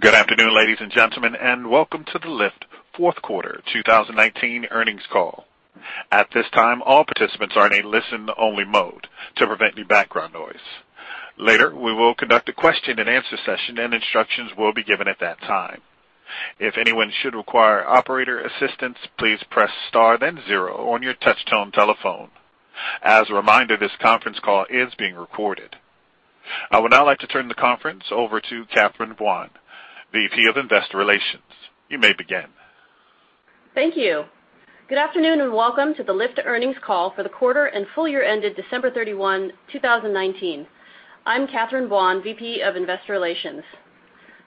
Good afternoon, ladies and gentlemen, and welcome to the Lyft fourth quarter 2019 earnings call. At this time, all participants are in a listen-only mode to prevent any background noise. Later, we will conduct a question and answer session and instructions will be given at that time. If anyone should require operator assistance, please press star then zero on your touch tone telephone. As a reminder, this conference call is being recorded. I would now like to turn the conference over to Catherine Buan, VP of Investor Relations. You may begin. Thank you. Welcome to the Lyft earnings call for the quarter and full year ended December 31, 2019. I'm Catherine Buan, VP of Investor Relations.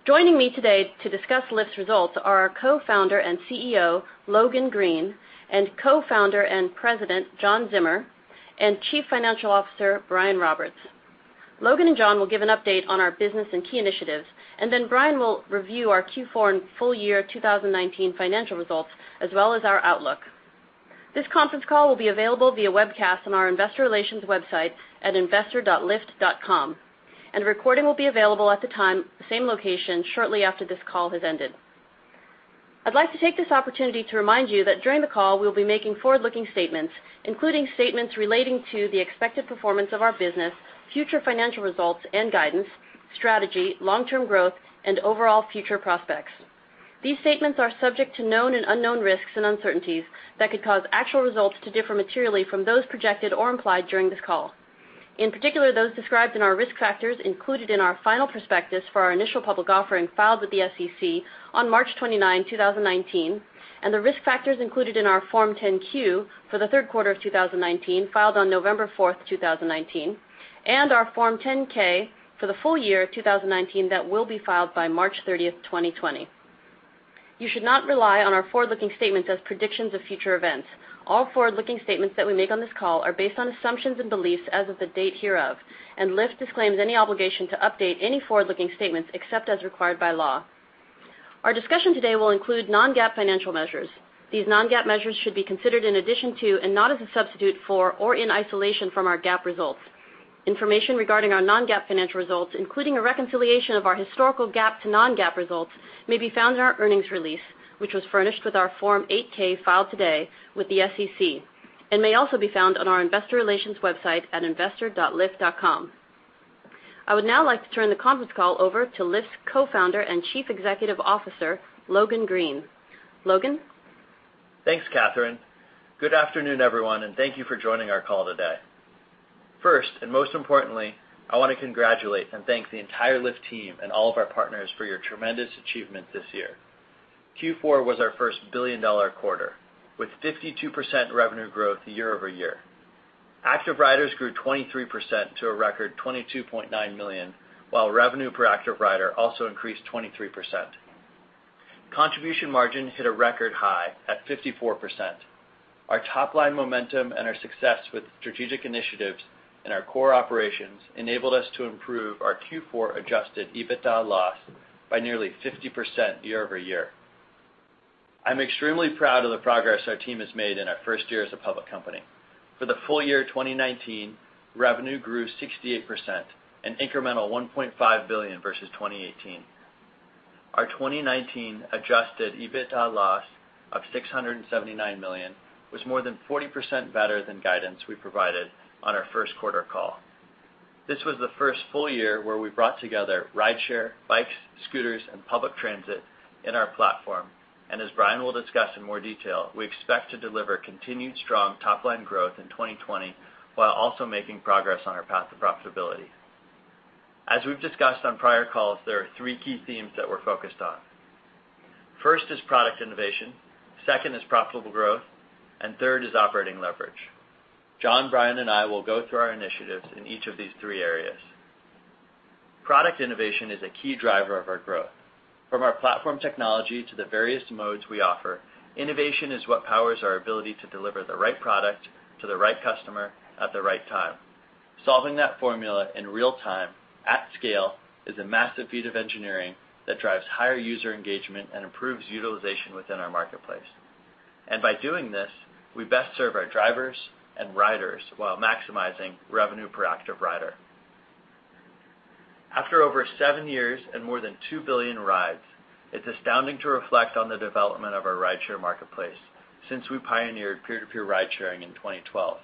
Joining me today to discuss Lyft's results are our Co-founder and CEO, Logan Green, Co-founder and President, John Zimmer, Chief Financial Officer, Brian Roberts. Logan and John will give an update on our business and key initiatives, Brian will review our Q4 and full year 2019 financial results, as well as our outlook. This conference call will be available via webcast on our investor relations website at investor.lyft.com. A recording will be available at the time, same location, shortly after this call has ended. I'd like to take this opportunity to remind you that during the call, we'll be making forward-looking statements, including statements relating to the expected performance of our business, future financial results and guidance, strategy, long-term growth, and overall future prospects. These statements are subject to known and unknown risks and uncertainties that could cause actual results to differ materially from those projected or implied during this call. In particular, those described in our risk factors included in our final prospectus for our initial public offering filed with the SEC on March 29, 2019, and the risk factors included in our Form 10-Q for the third quarter of 2019, filed on November 4, 2019, and our Form 10-K for the full year of 2019 that will be filed by March 30, 2020. You should not rely on our forward-looking statements as predictions of future events. All forward-looking statements that we make on this call are based on assumptions and beliefs as of the date hereof. Lyft disclaims any obligation to update any forward-looking statements except as required by law. Our discussion today will include non-GAAP financial measures. These non-GAAP measures should be considered in addition to and not as a substitute for or in isolation from our GAAP results. Information regarding our non-GAAP financial results, including a reconciliation of our historical GAAP to non-GAAP results, may be found in our earnings release, which was furnished with our Form 8-K filed today with the SEC and may also be found on our investor relations website at investor.lyft.com. I would now like to turn the conference call over to Lyft's Co-founder and Chief Executive Officer, Logan Green. Logan? Thanks, Catherine. Good afternoon, everyone, and thank you for joining our call today. First, and most importantly, I want to congratulate and thank the entire Lyft team and all of our partners for your tremendous achievement this year. Q4 was our first $1 billion quarter with 52% revenue growth year-over-year. Active riders grew 23% to a record 22.9 million, while revenue per active rider also increased 23%. Contribution margin hit a record high at 54%. Our top-line momentum and our success with strategic initiatives in our core operations enabled us to improve our Q4 adjusted EBITDA loss by nearly 50% year-over-year. I'm extremely proud of the progress our team has made in our first year as a public company. For the full year 2019, revenue grew 68%, an incremental $1.5 billion versus 2018. Our 2019 adjusted EBITDA loss of $679 million was more than 40% better than guidance we provided on our first quarter call. This was the first full year where we brought together rideshare, bikes, scooters, and public transit in our platform. As Brian will discuss in more detail, we expect to deliver continued strong top-line growth in 2020 while also making progress on our path to profitability. As we've discussed on prior calls, there are three key themes that we're focused on. First is product innovation, second is profitable growth, and third is operating leverage. John, Brian, and I will go through our initiatives in each of these three areas. Product innovation is a key driver of our growth. From our platform technology to the various modes we offer, innovation is what powers our ability to deliver the right product to the right customer at the right time. Solving that formula in real-time at scale is a massive feat of engineering that drives higher user engagement and improves utilization within our marketplace. By doing this, we best serve our drivers and riders while maximizing revenue per active rider. After over seven years and more than 2 billion rides, it's astounding to reflect on the development of our rideshare marketplace since we pioneered peer-to-peer ridesharing in 2012.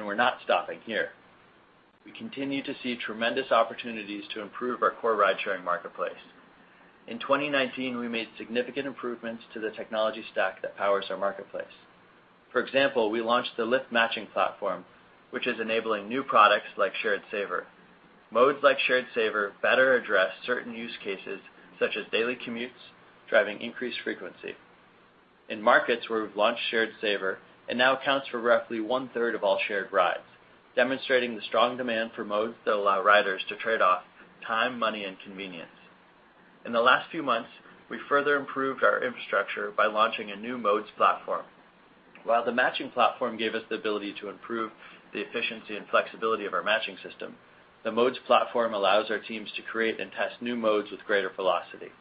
We're not stopping here. We continue to see tremendous opportunities to improve our core ridesharing marketplace. In 2019, we made significant improvements to the technology stack that powers our marketplace. For example, we launched the Lyft Matching Platform, which is enabling new products like Shared Saver. Modes like Shared Saver better address certain use cases such as daily commutes, driving increased frequency. In markets where we've launched Shared Saver, it now accounts for roughly one-third of all Shared Rides, demonstrating the strong demand for modes that allow riders to trade off time, money, and convenience. In the last few months, we further improved our infrastructure by launching a new Modes platform. While the Matching Platform gave us the ability to improve the efficiency and flexibility of our matching system, the Modes platform allows our teams to create and test new modes with greater velocity.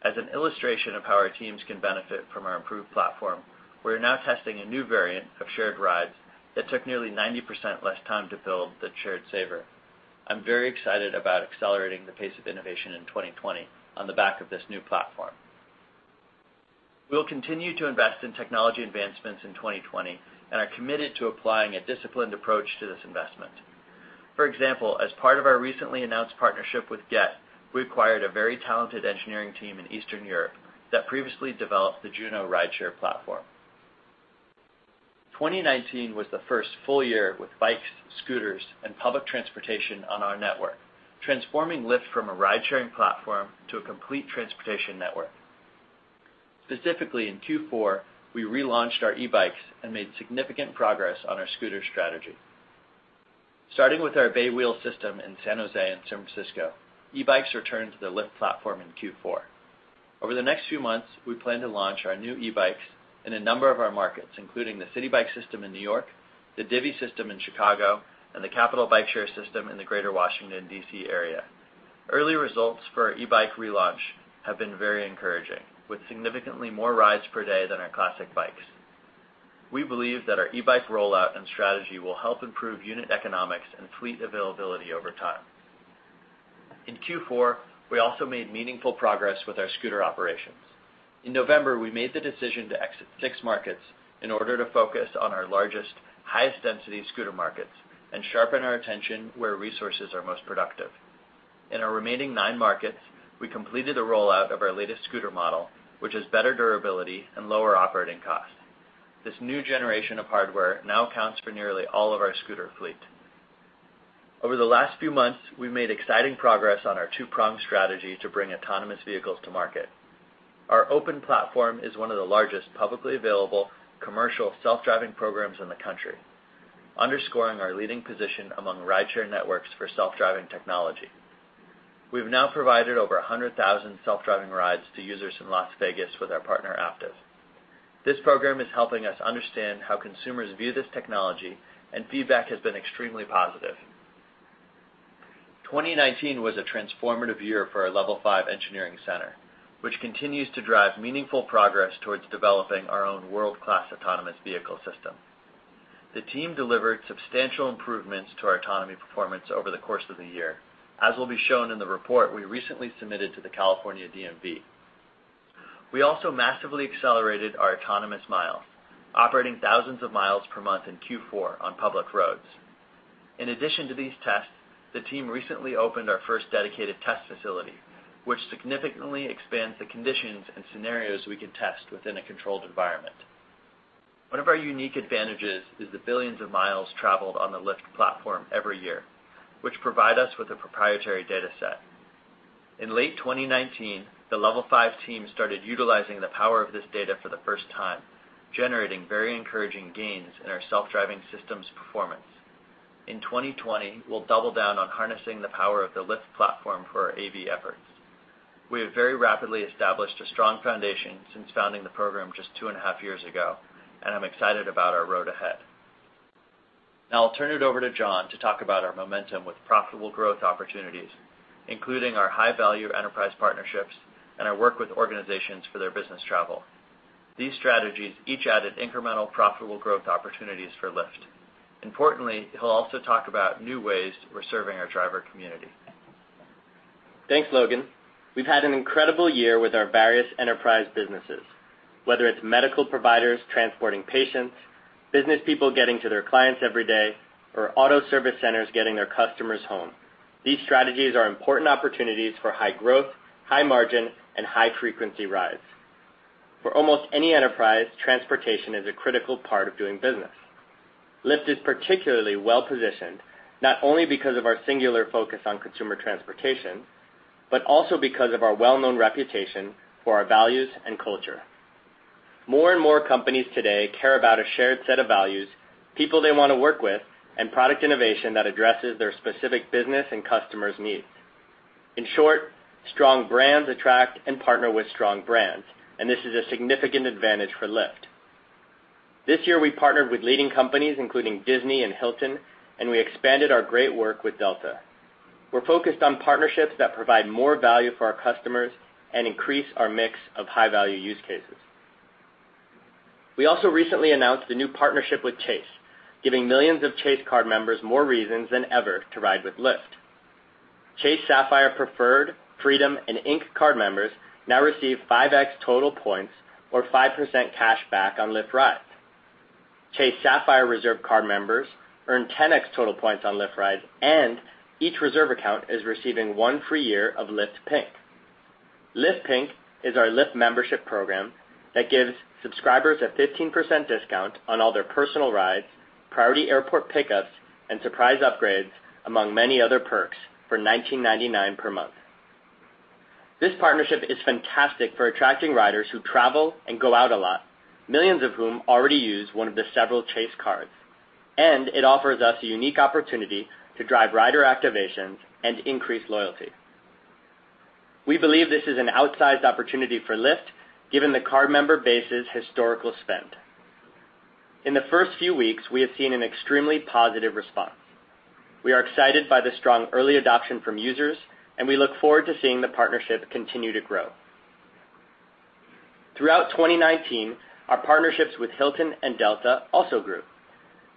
As an illustration of how our teams can benefit from our improved platform, we are now testing a new variant of Shared Rides that took nearly 90% less time to build than Shared Saver. I'm very excited about accelerating the pace of innovation in 2020 on the back of this new platform. We will continue to invest in technology advancements in 2020 and are committed to applying a disciplined approach to this investment. For example, as part of our recently announced partnership with Gett, we acquired a very talented engineering team in Eastern Europe that previously developed the Juno Rideshare platform. 2019 was the first full year with bikes, scooters, and public transportation on our network, transforming Lyft from a ride-sharing platform to a complete transportation network. Specifically, in Q4, we relaunched our e-bikes and made significant progress on our scooter strategy. Starting with our Bay Wheels system in San Jose and San Francisco, e-bikes returned to the Lyft platform in Q4. Over the next few months, we plan to launch our new e-bikes in a number of our markets, including the Citi Bike system in New York, the Divvy system in Chicago, and the Capital Bikeshare system in the greater Washington, D.C. area. Early results for our e-bike relaunch have been very encouraging, with significantly more rides per day than our classic bikes. We believe that our e-bike rollout and strategy will help improve unit economics and fleet availability over time. In Q4, we also made meaningful progress with our scooter operations. In November, we made the decision to exit six markets in order to focus on our largest, highest-density scooter markets and sharpen our attention where resources are most productive. In our remaining nine markets, we completed a rollout of our latest scooter model, which has better durability and lower operating costs. This new generation of hardware now accounts for nearly all of our scooter fleet. Over the last few months, we've made exciting progress on our two-pronged strategy to bring autonomous vehicles to market. Our open platform is one of the largest publicly available commercial self-driving programs in the country, underscoring our leading position among rideshare networks for self-driving technology. We've now provided over 100,000 self-driving rides to users in Las Vegas with our partner, Aptiv. This program is helping us understand how consumers view this technology, and feedback has been extremely positive. 2019 was a transformative year for our Level Five engineering center, which continues to drive meaningful progress towards developing our own world-class autonomous vehicle system. The team delivered substantial improvements to our autonomy performance over the course of the year, as will be shown in the report we recently submitted to the California DMV. We also massively accelerated our autonomous miles, operating thousands of miles per month in Q4 on public roads. In addition to these tests, the team recently opened our first dedicated test facility, which significantly expands the conditions and scenarios we can test within a controlled environment. One of our unique advantages is the billions of miles traveled on the Lyft platform every year, which provide us with a proprietary data set. In late 2019, the Level Five team started utilizing the power of this data for the first time, generating very encouraging gains in our self-driving system's performance. In 2020, we'll double down on harnessing the power of the Lyft platform for our AV efforts. We have very rapidly established a strong foundation since founding the program just two and a half years ago, and I'm excited about our road ahead. Now I'll turn it over to John to talk about our momentum with profitable growth opportunities, including our high-value enterprise partnerships and our work with organizations for their business travel. These strategies each added incremental profitable growth opportunities for Lyft. Importantly, he'll also talk about new ways we're serving our driver community. Thanks, Logan. We've had an incredible year with our various enterprise businesses. Whether it's medical providers transporting patients, business people getting to their clients every day, or auto service centers getting their customers home, these strategies are important opportunities for high growth, high margin, and high-frequency rides. For almost any enterprise, transportation is a critical part of doing business. Lyft is particularly well-positioned not only because of our singular focus on consumer transportation, but also because of our well-known reputation for our values and culture. More and more companies today care about a shared set of values, people they want to work with, and product innovation that addresses their specific business and customers' needs. In short, strong brands attract and partner with strong brands, and this is a significant advantage for Lyft. This year, we partnered with leading companies, including Disney and Hilton. We expanded our great work with Delta. We're focused on partnerships that provide more value for our customers and increase our mix of high-value use cases. We also recently announced a new partnership with Chase, giving millions of Chase card members more reasons than ever to ride with Lyft. Chase Sapphire Preferred, Freedom, and Ink Card members now receive 5X total points or 5% cashback on Lyft rides. Chase Sapphire Reserve card members earn 10X total points on Lyft rides. Each Reserve account is receiving one free year of Lyft Pink. Lyft Pink is our Lyft membership program that gives subscribers a 15% discount on all their personal rides, priority airport pickups, and surprise upgrades, among many other perks, for $19.99 per month. This partnership is fantastic for attracting riders who travel and go out a lot, millions of whom already use one of the several Chase cards. It offers us a unique opportunity to drive rider activations and increase loyalty. We believe this is an outsized opportunity for Lyft, given the card member base's historical spend. In the first few weeks, we have seen an extremely positive response. We are excited by the strong early adoption from users. We look forward to seeing the partnership continue to grow. Throughout 2019, our partnerships with Hilton and Delta also grew.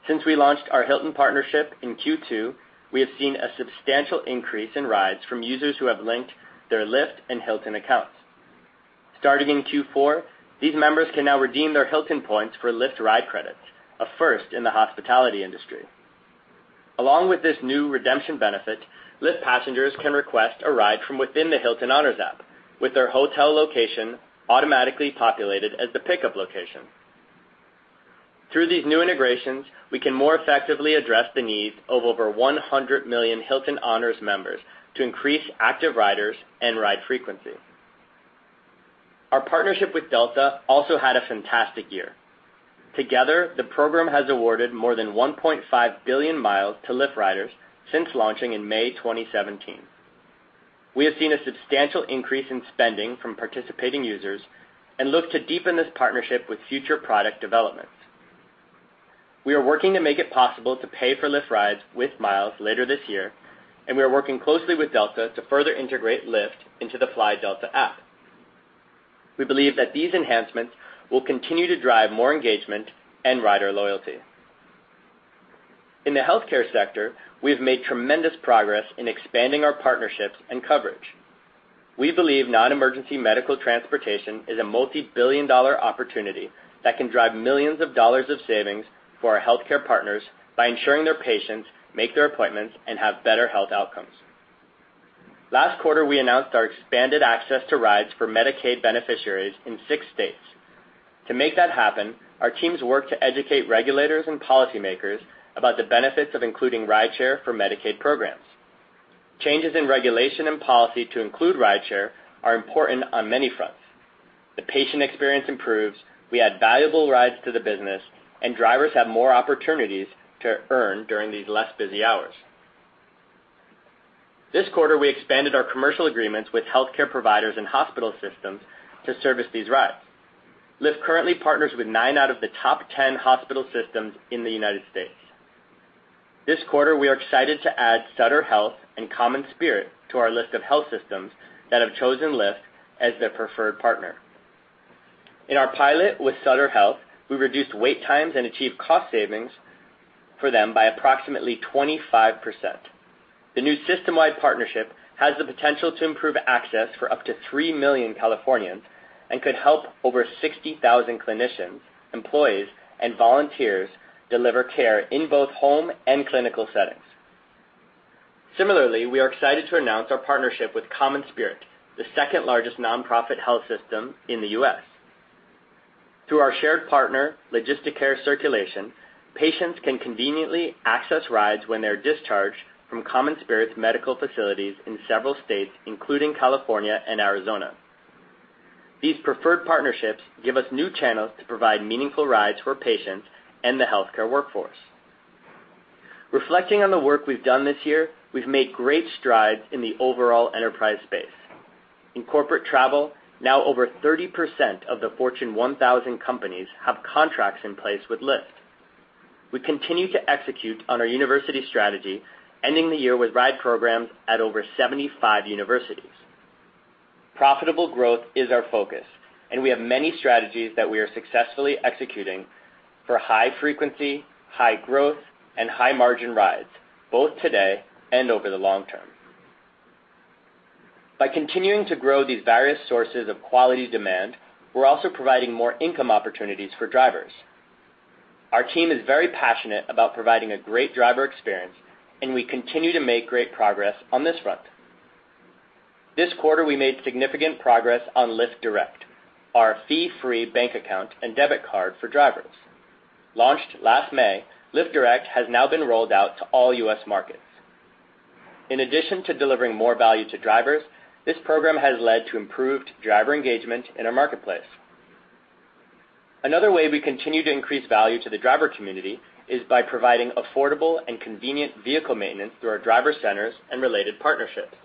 Since we launched our Hilton partnership in Q2, we have seen a substantial increase in rides from users who have linked their Lyft and Hilton accounts. Starting in Q4, these members can now redeem their Hilton points for Lyft ride credits, a first in the hospitality industry. Along with this new redemption benefit, Lyft passengers can request a ride from within the Hilton Honors app with their hotel location automatically populated as the pickup location. Through these new integrations, we can more effectively address the needs of over 100 million Hilton Honors members to increase active riders and ride frequency. Our partnership with Delta also had a fantastic year. Together, the program has awarded more than 1.5 billion miles to Lyft riders since launching in May 2017. We have seen a substantial increase in spending from participating users and look to deepen this partnership with future product developments. We are working to make it possible to pay for Lyft rides with miles later this year, and we are working closely with Delta to further integrate Lyft into the Fly Delta app. We believe that these enhancements will continue to drive more engagement and rider loyalty. In the healthcare sector, we have made tremendous progress in expanding our partnerships and coverage. We believe non-emergency medical transportation is a multibillion-dollar opportunity that can drive millions of dollars of savings for our healthcare partners by ensuring their patients make their appointments and have better health outcomes. Last quarter, we announced our expanded access to rides for Medicaid beneficiaries in six states. To make that happen, our teams work to educate regulators and policymakers about the benefits of including rideshare for Medicaid programs. Changes in regulation and policy to include rideshare are important on many fronts. The patient experience improves, we add valuable rides to the business, and drivers have more opportunities to earn during these less busy hours. This quarter, we expanded our commercial agreements with healthcare providers and hospital systems to service these rides. Lyft currently partners with nine out of the top 10 hospital systems in the U.S. This quarter, we are excited to add Sutter Health and CommonSpirit to our list of health systems that have chosen Lyft as their preferred partner. In our pilot with Sutter Health, we reduced wait times and achieved cost savings for them by approximately 25%. The new system-wide partnership has the potential to improve access for up to 3 million Californians and could help over 60,000 clinicians, employees, and volunteers deliver care in both home and clinical settings. Similarly, we are excited to announce our partnership with CommonSpirit, the second-largest non-profit health system in the U.S. Through our shared partner, LogistiCare Circulation, patients can conveniently access rides when they're discharged from CommonSpirit's medical facilities in several states, including California and Arizona. These preferred partnerships give us new channels to provide meaningful rides for patients and the healthcare workforce. Reflecting on the work we've done this year, we've made great strides in the overall enterprise space. In corporate travel, now over 30% of the Fortune 1000 companies have contracts in place with Lyft. We continue to execute on our university strategy, ending the year with ride programs at over 75 universities. Profitable growth is our focus, and we have many strategies that we are successfully executing for high frequency, high growth, and high margin rides, both today and over the long term. By continuing to grow these various sources of quality demand, we're also providing more income opportunities for drivers. Our team is very passionate about providing a great driver experience, and we continue to make great progress on this front. This quarter, we made significant progress on Lyft Direct, our fee-free bank account and debit card for drivers. Launched last May, Lyft Direct has now been rolled out to all U.S. markets. In addition to delivering more value to drivers, this program has led to improved driver engagement in our marketplace. Another way we continue to increase value to the driver community is by providing affordable and convenient vehicle maintenance through our driver centers and related partnerships.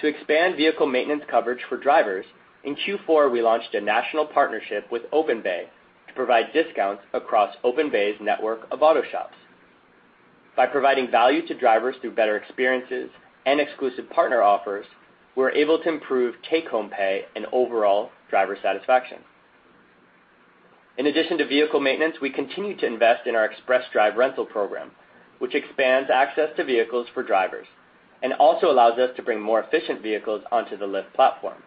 To expand vehicle maintenance coverage for drivers, in Q4, we launched a national partnership with OpenBay to provide discounts across OpenBay's network of auto shops. By providing value to drivers through better experiences and exclusive partner offers, we're able to improve take-home pay and overall driver satisfaction. In addition to vehicle maintenance, we continue to invest in our Express Drive rental program, which expands access to vehicles for drivers and also allows us to bring more efficient vehicles onto the Lyft platform.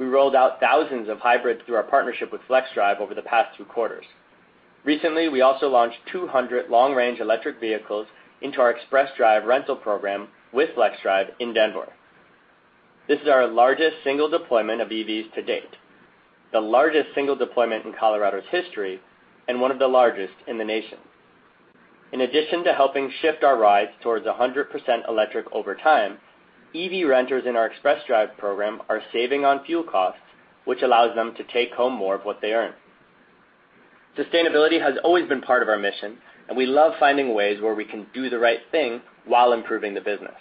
We rolled out thousands of hybrids through our partnership with Flexdrive over the past two quarters. Recently, we also launched 200 long-range electric vehicles into our Express Drive rental program with Flexdrive in Denver. This is our largest single deployment of EVs to date, the largest single deployment in Colorado's history, and one of the largest in the nation. In addition to helping shift our rides towards 100% electric over time, EV renters in our Express Drive program are saving on fuel costs, which allows them to take home more of what they earn. Sustainability has always been part of our mission, and we love finding ways where we can do the right thing while improving the business.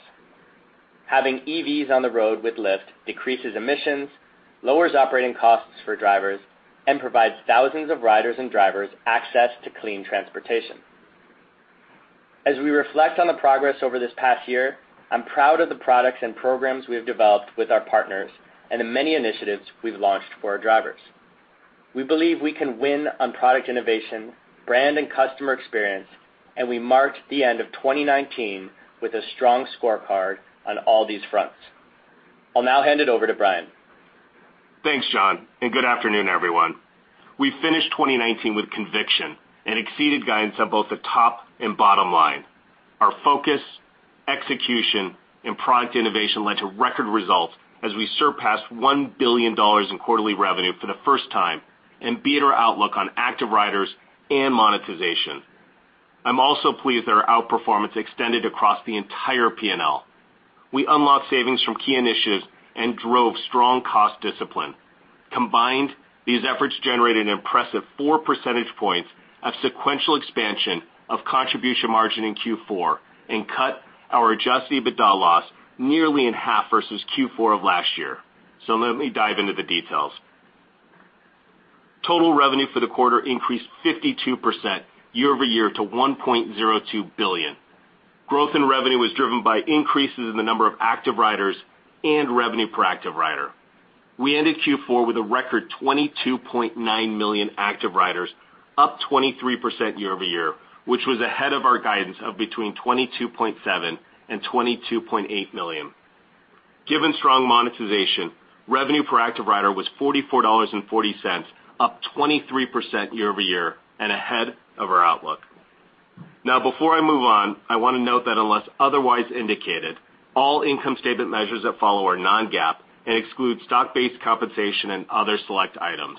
Having EVs on the road with Lyft decreases emissions, lowers operating costs for drivers, and provides thousands of riders and drivers access to clean transportation. As we reflect on the progress over this past year, I'm proud of the products and programs we have developed with our partners and the many initiatives we've launched for our drivers. We believe we can win on product innovation, brand and customer experience, and we marked the end of 2019 with a strong scorecard on all these fronts. I'll now hand it over to Brian. Thanks, John, and good afternoon, everyone. We finished 2019 with conviction and exceeded guidance on both the top and bottom line. Our focus, execution, and product innovation led to record results as we surpassed $1 billion in quarterly revenue for the first time and beat our outlook on active riders and monetization. I'm also pleased that our outperformance extended across the entire P&L. We unlocked savings from key initiatives and drove strong cost discipline. Combined, these efforts generated an impressive four percentage points of sequential expansion of contribution margin in Q4 and cut our adjusted EBITDA loss nearly in half versus Q4 of last year. Let me dive into the details. Total revenue for the quarter increased 52% year-over-year to $1.02 billion. Growth in revenue was driven by increases in the number of active riders and revenue per active rider. We ended Q4 with a record 22.9 million active riders, up 23% year-over-year, which was ahead of our guidance of between 22.7 million and 22.8 million. Given strong monetization, revenue per active rider was $44.40, up 23% year-over-year and ahead of our outlook. Before I move on, I want to note that unless otherwise indicated, all income statement measures that follow are non-GAAP and exclude stock-based compensation and other select items.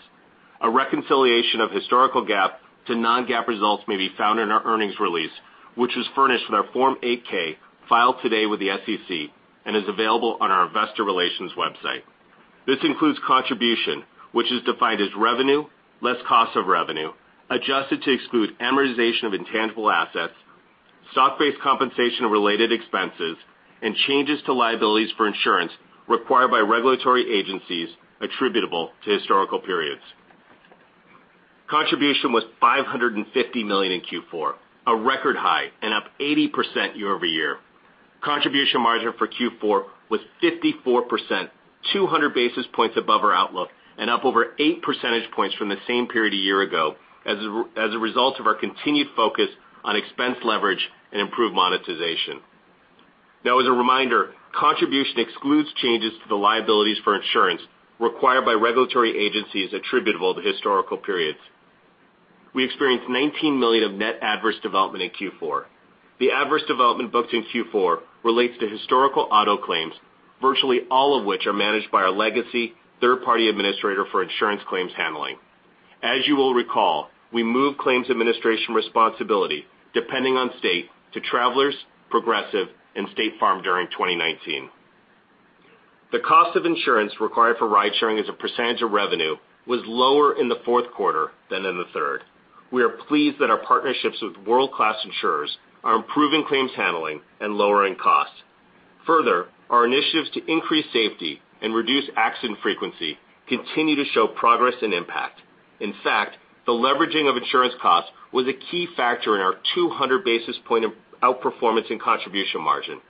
A reconciliation of historical GAAP to non-GAAP results may be found in our earnings release, which was furnished with our Form 8-K filed today with the SEC and is available on our investor relations website. This includes contribution, which is defined as revenue less cost of revenue, adjusted to exclude amortization of intangible assets, stock-based compensation-related expenses, and changes to liabilities for insurance required by regulatory agencies attributable to historical periods. Contribution was $550 million in Q4, a record high and up 80% year-over-year. Contribution margin for Q4 was 54%, 200 basis points above our outlook and up over eight percentage points from the same period a year ago as a result of our continued focus on expense leverage and improved monetization. Now as a reminder, contribution excludes changes to the liabilities for insurance required by regulatory agencies attributable to historical periods. We experienced $19 million of net adverse development in Q4. The adverse development booked in Q4 relates to historical auto claims, virtually all of which are managed by our legacy third-party administrator for insurance claims handling. As you will recall, we moved claims administration responsibility, depending on state, to Travelers, Progressive and State Farm during 2019. The cost of insurance required for ridesharing as a percentage of revenue was lower in the fourth quarter than in the third. We are pleased that our partnerships with world-class insurers are improving claims handling and lowering costs. Our initiatives to increase safety and reduce accident frequency continue to show progress and impact. The leveraging of insurance costs was a key factor in our 200 basis point outperformance in contribution margin.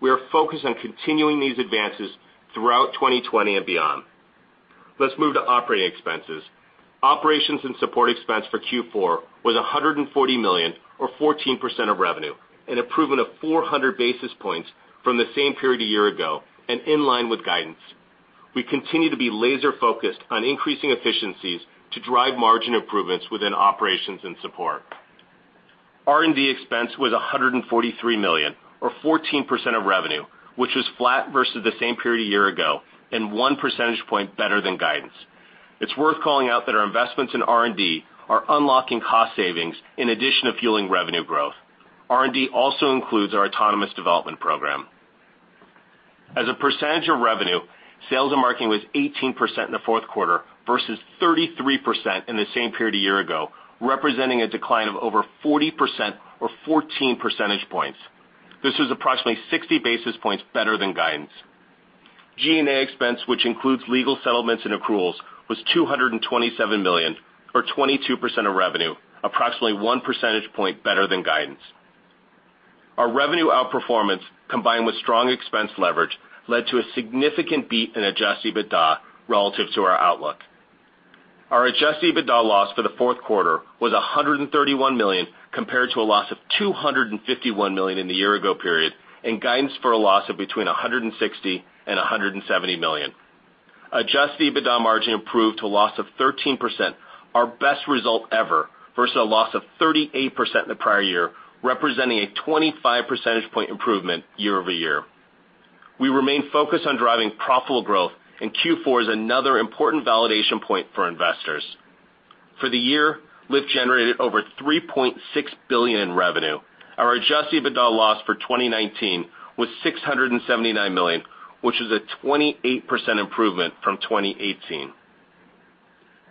We are focused on continuing these advances throughout 2020 and beyond. Let's move to operating expenses. Operations and support expense for Q4 was $140 million, or 14% of revenue, an improvement of 400 basis points from the same period a year ago and in line with guidance. We continue to be laser-focused on increasing efficiencies to drive margin improvements within operations and support. R&D expense was $143 million, or 14% of revenue, which was flat versus the same period a year ago and one percentage point better than guidance. It's worth calling out that our investments in R&D are unlocking cost savings in addition to fueling revenue growth. R&D also includes our autonomous development program. As a percentage of revenue, sales and marketing was 18% in the fourth quarter versus 33% in the same period a year ago, representing a decline of over 40% or 14 percentage points. This was approximately 60 basis points better than guidance. G&A expense, which includes legal settlements and accruals, was $227 million, or 22% of revenue, approximately one percentage point better than guidance. Our revenue outperformance, combined with strong expense leverage, led to a significant beat in adjusted EBITDA relative to our outlook. Our adjusted EBITDA loss for the fourth quarter was $131 million, compared to a loss of $251 million in the year-ago period and guidance for a loss of between $160 and $170 million. Adjusted EBITDA margin improved to a loss of 13%, our best result ever, versus a loss of 38% in the prior year, representing a 25 percentage point improvement year-over-year. We remain focused on driving profitable growth. Q4 is another important validation point for investors. For the year, Lyft generated over $3.6 billion in revenue. Our adjusted EBITDA loss for 2019 was $679 million, which is a 28% improvement from 2018.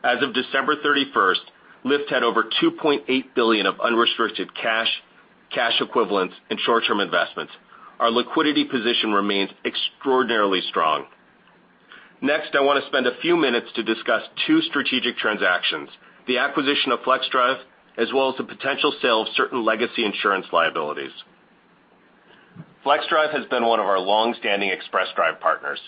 As of December 31st, Lyft had over $2.8 billion of unrestricted cash equivalents, and short-term investments. Our liquidity position remains extraordinarily strong. Next, I want to spend a few minutes to discuss two strategic transactions, the acquisition of Flexdrive, as well as the potential sale of certain legacy insurance liabilities. Flexdrive has been one of our longstanding Express Drive partners.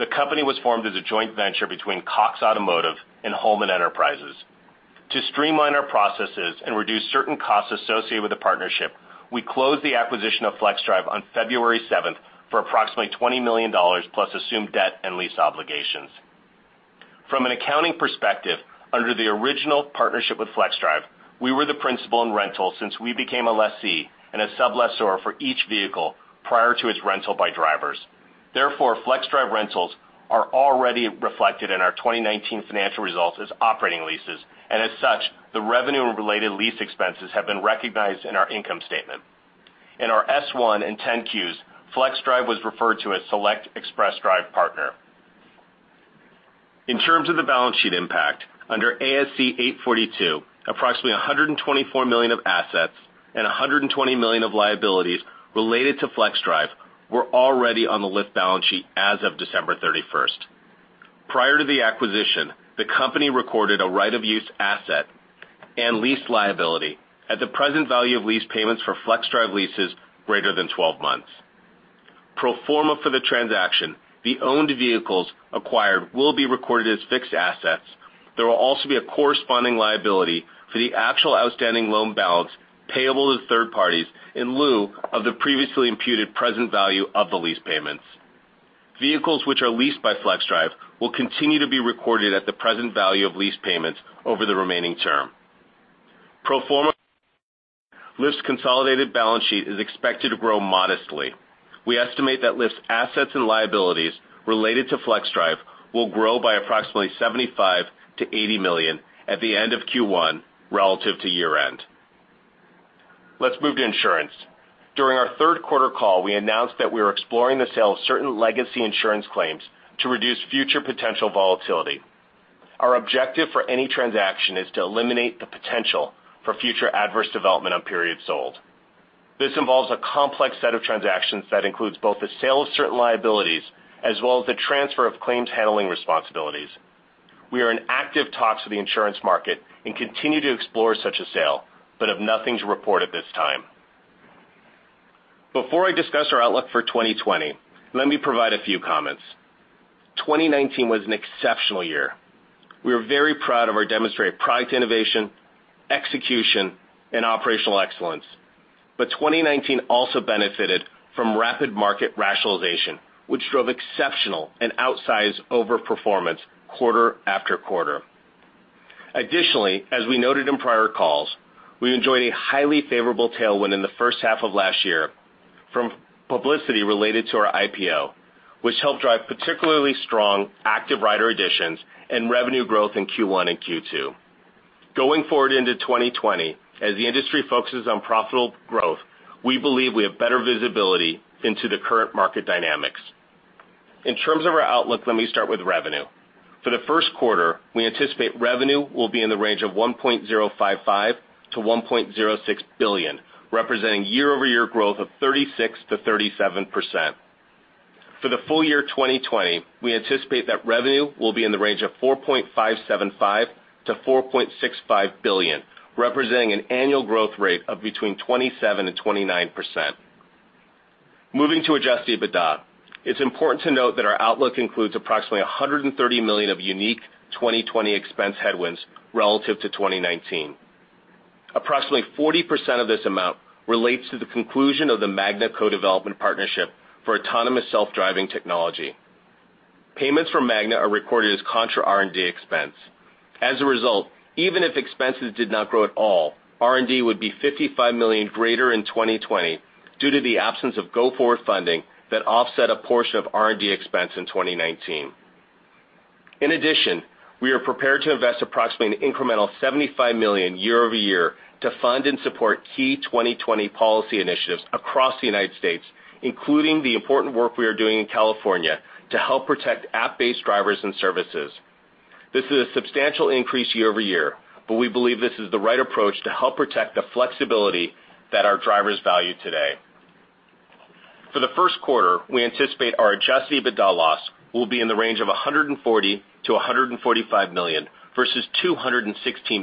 The company was formed as a joint venture between Cox Automotive and Holman Enterprises. To streamline our processes and reduce certain costs associated with the partnership, we closed the acquisition of Flexdrive on February 7th for approximately $20 million, plus assumed debt and lease obligations. From an accounting perspective, under the original partnership with Flexdrive, we were the principal in rental since we became a lessee and a sublessor for each vehicle prior to its rental by drivers. Therefore, Flexdrive rentals are already reflected in our 2019 financial results as operating leases. As such, the revenue and related lease expenses have been recognized in our income statement. In our S1 and 10-Qs, Flexdrive was referred to as Select Express Drive Partner. In terms of the balance sheet impact, under ASC 842, approximately $124 million of assets and $120 million of liabilities related to Flexdrive were already on the Lyft balance sheet as of December 31st. Prior to the acquisition, the company recorded a right-of-use asset and lease liability at the present value of lease payments for Flexdrive leases greater than 12 months. Pro forma for the transaction, the owned vehicles acquired will be recorded as fixed assets. There will also be a corresponding liability for the actual outstanding loan balance payable to third parties in lieu of the previously imputed present value of the lease payments. Vehicles which are leased by Flexdrive will continue to be recorded at the present value of lease payments over the remaining term. Pro forma, Lyft's consolidated balance sheet is expected to grow modestly. We estimate that Lyft's assets and liabilities related to Flexdrive will grow by approximately $75 million-$80 million at the end of Q1 relative to year-end. Let's move to insurance. During our third quarter call, we announced that we were exploring the sale of certain legacy insurance claims to reduce future potential volatility. Our objective for any transaction is to eliminate the potential for future adverse development on periods sold. This involves a complex set of transactions that includes both the sale of certain liabilities as well as the transfer of claims handling responsibilities. We are in active talks with the insurance market and continue to explore such a sale, but have nothing to report at this time. Before I discuss our outlook for 2020, let me provide a few comments. 2019 was an exceptional year. We are very proud of our demonstrated product innovation, execution, and operational excellence. 2019 also benefited from rapid market rationalization, which drove exceptional and outsized over-performance quarter after quarter. Additionally, as we noted in prior calls, we enjoyed a highly favorable tailwind in the first half of last year from publicity related to our IPO, which helped drive particularly strong active rider additions and revenue growth in Q1 and Q2. Going forward into 2020, as the industry focuses on profitable growth, we believe we have better visibility into the current market dynamics. In terms of our outlook, let me start with revenue. For the first quarter, we anticipate revenue will be in the range of $1.055 billion-$1.06 billion, representing year-over-year growth of 36%-37%. For the full year 2020, we anticipate that revenue will be in the range of $4.575 billion-$4.65 billion, representing an annual growth rate of between 27% and 29%. Moving to adjusted EBITDA, it's important to note that our outlook includes approximately $130 million of unique 2020 expense headwinds relative to 2019. Approximately 40% of this amount relates to the conclusion of the Magna co-development partnership for autonomous self-driving technology. Payments from Magna are recorded as contra R&D expense. As a result, even if expenses did not grow at all, R&D would be $55 million greater in 2020 due to the absence of go-forward funding that offset a portion of R&D expense in 2019. In addition, we are prepared to invest approximately an incremental $75 million year-over-year to fund and support key 2020 policy initiatives across the U.S., including the important work we are doing in California to help protect app-based drivers and services. This is a substantial increase year-over-year, but we believe this is the right approach to help protect the flexibility that our drivers value today. For the first quarter, we anticipate our adjusted EBITDA loss will be in the range of $140 million-$145 million versus $216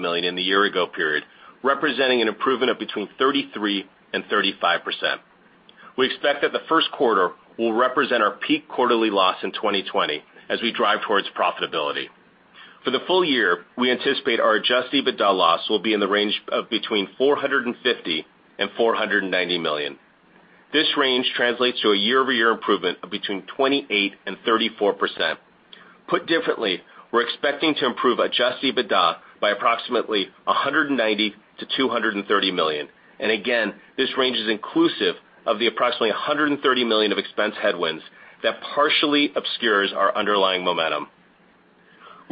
million in the year-ago period, representing an improvement of between 33%-35%. We expect that the first quarter will represent our peak quarterly loss in 2020 as we drive towards profitability. For the full year, we anticipate our adjusted EBITDA loss will be in the range of between $450 million-$490 million. This range translates to a year-over-year improvement of between 28% and 34%. Put differently, we're expecting to improve adjusted EBITDA by approximately $190 million-$230 million. Again, this range is inclusive of the approximately $130 million of expense headwinds that partially obscures our underlying momentum.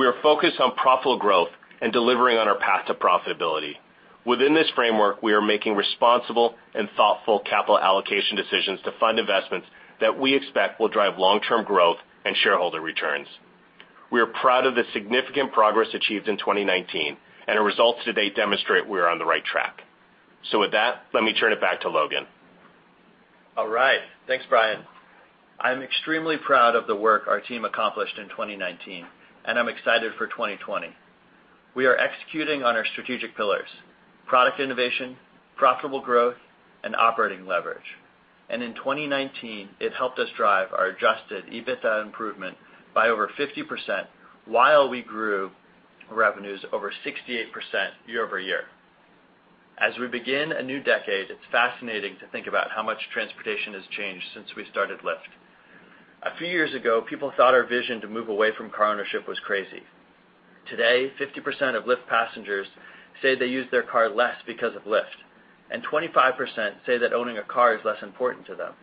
We are focused on profitable growth and delivering on our path to profitability. Within this framework, we are making responsible and thoughtful capital allocation decisions to fund investments that we expect will drive long-term growth and shareholder returns. We are proud of the significant progress achieved in 2019, and our results to date demonstrate we are on the right track. With that, let me turn it back to Logan. All right. Thanks, Brian. I'm extremely proud of the work our team accomplished in 2019. I'm excited for 2020. We are executing on our strategic pillars: product innovation, profitable growth, and operating leverage. In 2019, it helped us drive our adjusted EBITDA improvement by over 50% while we grew revenues over 68% year-over-year. As we begin a new decade, it's fascinating to think about how much transportation has changed since we started Lyft. A few years ago, people thought our vision to move away from car ownership was crazy. Today, 50% of Lyft passengers say they use their car less because of Lyft, and 25% say that owning a car is less important to them.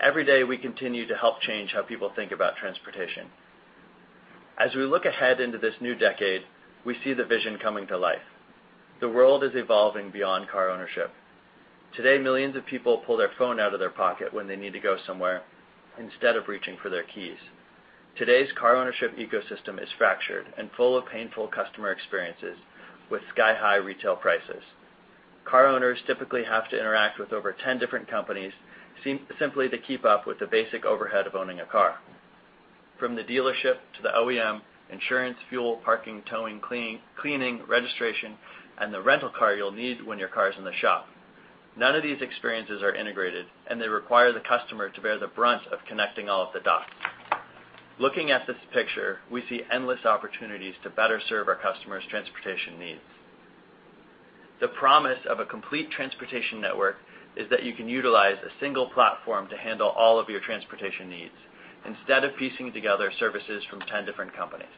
Every day, we continue to help change how people think about transportation. As we look ahead into this new decade, we see the vision coming to life. The world is evolving beyond car ownership. Today, millions of people pull their phone out of their pocket when they need to go somewhere instead of reaching for their keys. Today's car ownership ecosystem is fractured and full of painful customer experiences with sky-high retail prices. Car owners typically have to interact with over 10 different companies simply to keep up with the basic overhead of owning a car. From the dealership to the OEM, insurance, fuel, parking, towing, cleaning, registration, and the rental car you'll need when your car's in the shop. None of these experiences are integrated, and they require the customer to bear the brunt of connecting all of the dots. Looking at this picture, we see endless opportunities to better serve our customers' transportation needs. The promise of a complete transportation network is that you can utilize a single platform to handle all of your transportation needs instead of piecing together services from 10 different companies.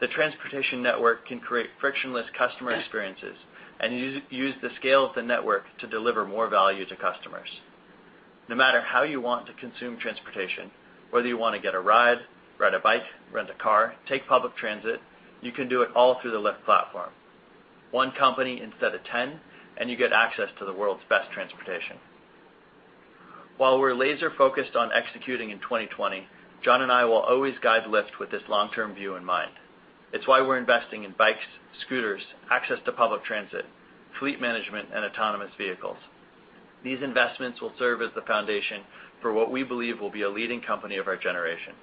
The transportation network can create frictionless customer experiences and use the scale of the network to deliver more value to customers. No matter how you want to consume transportation, whether you want to get a ride a bike, rent a car, take public transit, you can do it all through the Lyft platform. One company instead of 10, and you get access to the world's best transportation. While we're laser-focused on executing in 2020, John and I will always guide Lyft with this long-term view in mind. It's why we're investing in bikes, scooters, access to public transit, fleet management, and autonomous vehicles. These investments will serve as the foundation for what we believe will be a leading company of our generation.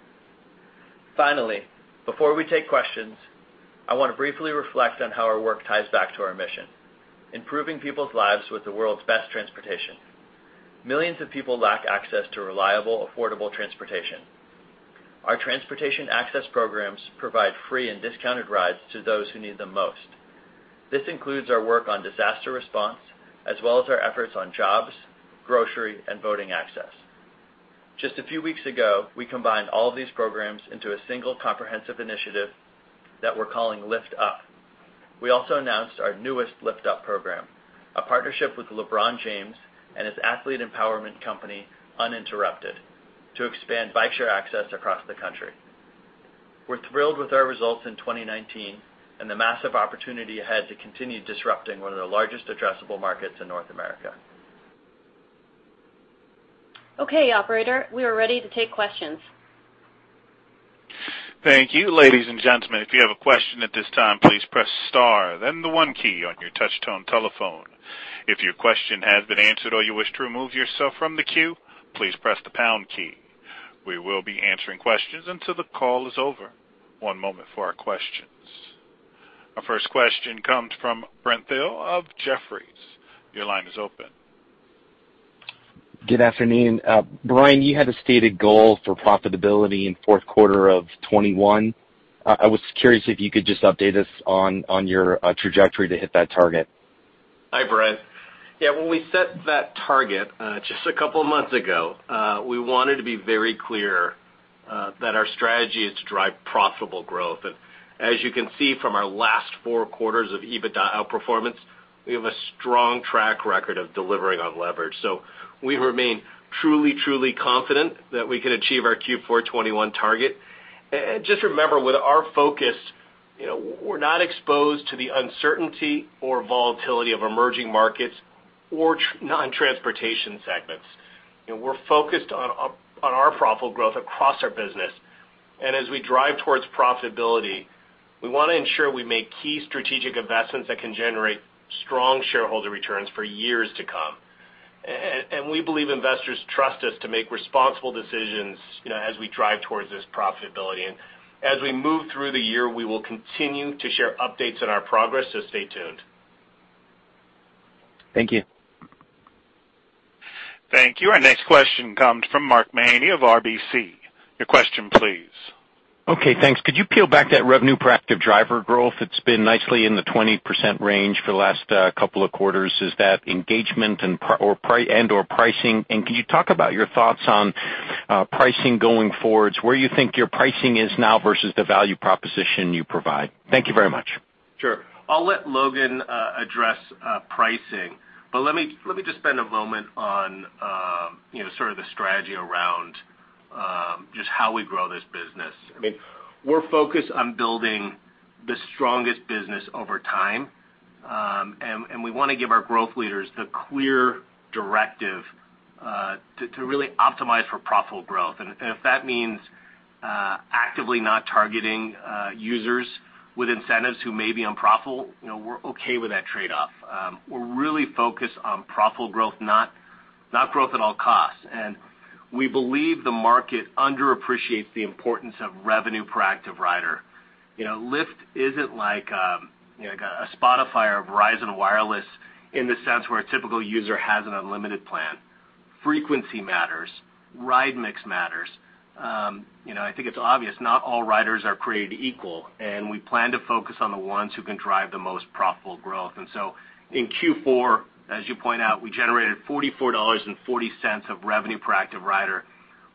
Finally, before we take questions, I want to briefly reflect on how our work ties back to our mission, improving people's lives with the world's best transportation. Millions of people lack access to reliable, affordable transportation. Our transportation access programs provide free and discounted rides to those who need them most. This includes our work on disaster response, as well as our efforts on jobs, grocery, and voting access. Just a few weeks ago, we combined all of these programs into a single comprehensive initiative that we're calling Lyft Up. We also announced our newest Lyft Up program, a partnership with LeBron James and his athlete empowerment company, Uninterrupted, to expand bike share access across the country. We're thrilled with our results in 2019 and the massive opportunity ahead to continue disrupting one of the largest addressable markets in North America. Okay, operator, we are ready to take questions. Thank you. Ladies and gentlemen, if you have a question at this time, please press star then the one key on your touch-tone telephone. If your question has been answered or you wish to remove yourself from the queue, please press the pound key. We will be answering questions until the call is over. One moment for our questions. Our first question comes from Brent Thill of Jefferies. Your line is open. Good afternoon. Brian, you had a stated goal for profitability in fourth quarter of 2021. I was curious if you could just update us on your trajectory to hit that target. Hi, Brent. When we set that target just a couple of months ago, we wanted to be very clear that our strategy is to drive profitable growth. As you can see from our last four quarters of EBITDA outperformance, we have a strong track record of delivering on leverage. We remain truly confident that we can achieve our Q4 2021 target. Just remember, with our focus, we're not exposed to the uncertainty or volatility of emerging markets or non-transportation segments. We're focused on our profitable growth across our business. As we drive towards profitability, we want to ensure we make key strategic investments that can generate strong shareholder returns for years to come. We believe investors trust us to make responsible decisions as we drive towards this profitability. As we move through the year, we will continue to share updates on our progress, so stay tuned. Thank you. Thank you. Our next question comes from Mark Mahaney of RBC. Your question, please. Okay, thanks. Could you peel back that revenue per active driver growth? It's been nicely in the 20% range for the last couple of quarters. Is that engagement and/or pricing? Could you talk about your thoughts on pricing going forward to where you think your pricing is now versus the value proposition you provide? Thank you very much. Sure. I'll let Logan address pricing, let me just spend a moment on sort of the strategy around how we grow this business. We're focused on building the strongest business over time, we want to give our growth leaders the clear directive to really optimize for profitable growth. If that means actively not targeting users with incentives who may be unprofitable, we're okay with that trade-off. We're really focused on profitable growth, not growth at all costs. We believe the market underappreciates the importance of revenue per active rider. Lyft isn't like a Spotify or Verizon Wireless in the sense where a typical user has an unlimited plan. Frequency matters. Ride mix matters. I think it's obvious not all riders are created equal, we plan to focus on the ones who can drive the most profitable growth. In Q4, as you point out, we generated $44.40 of revenue per active rider.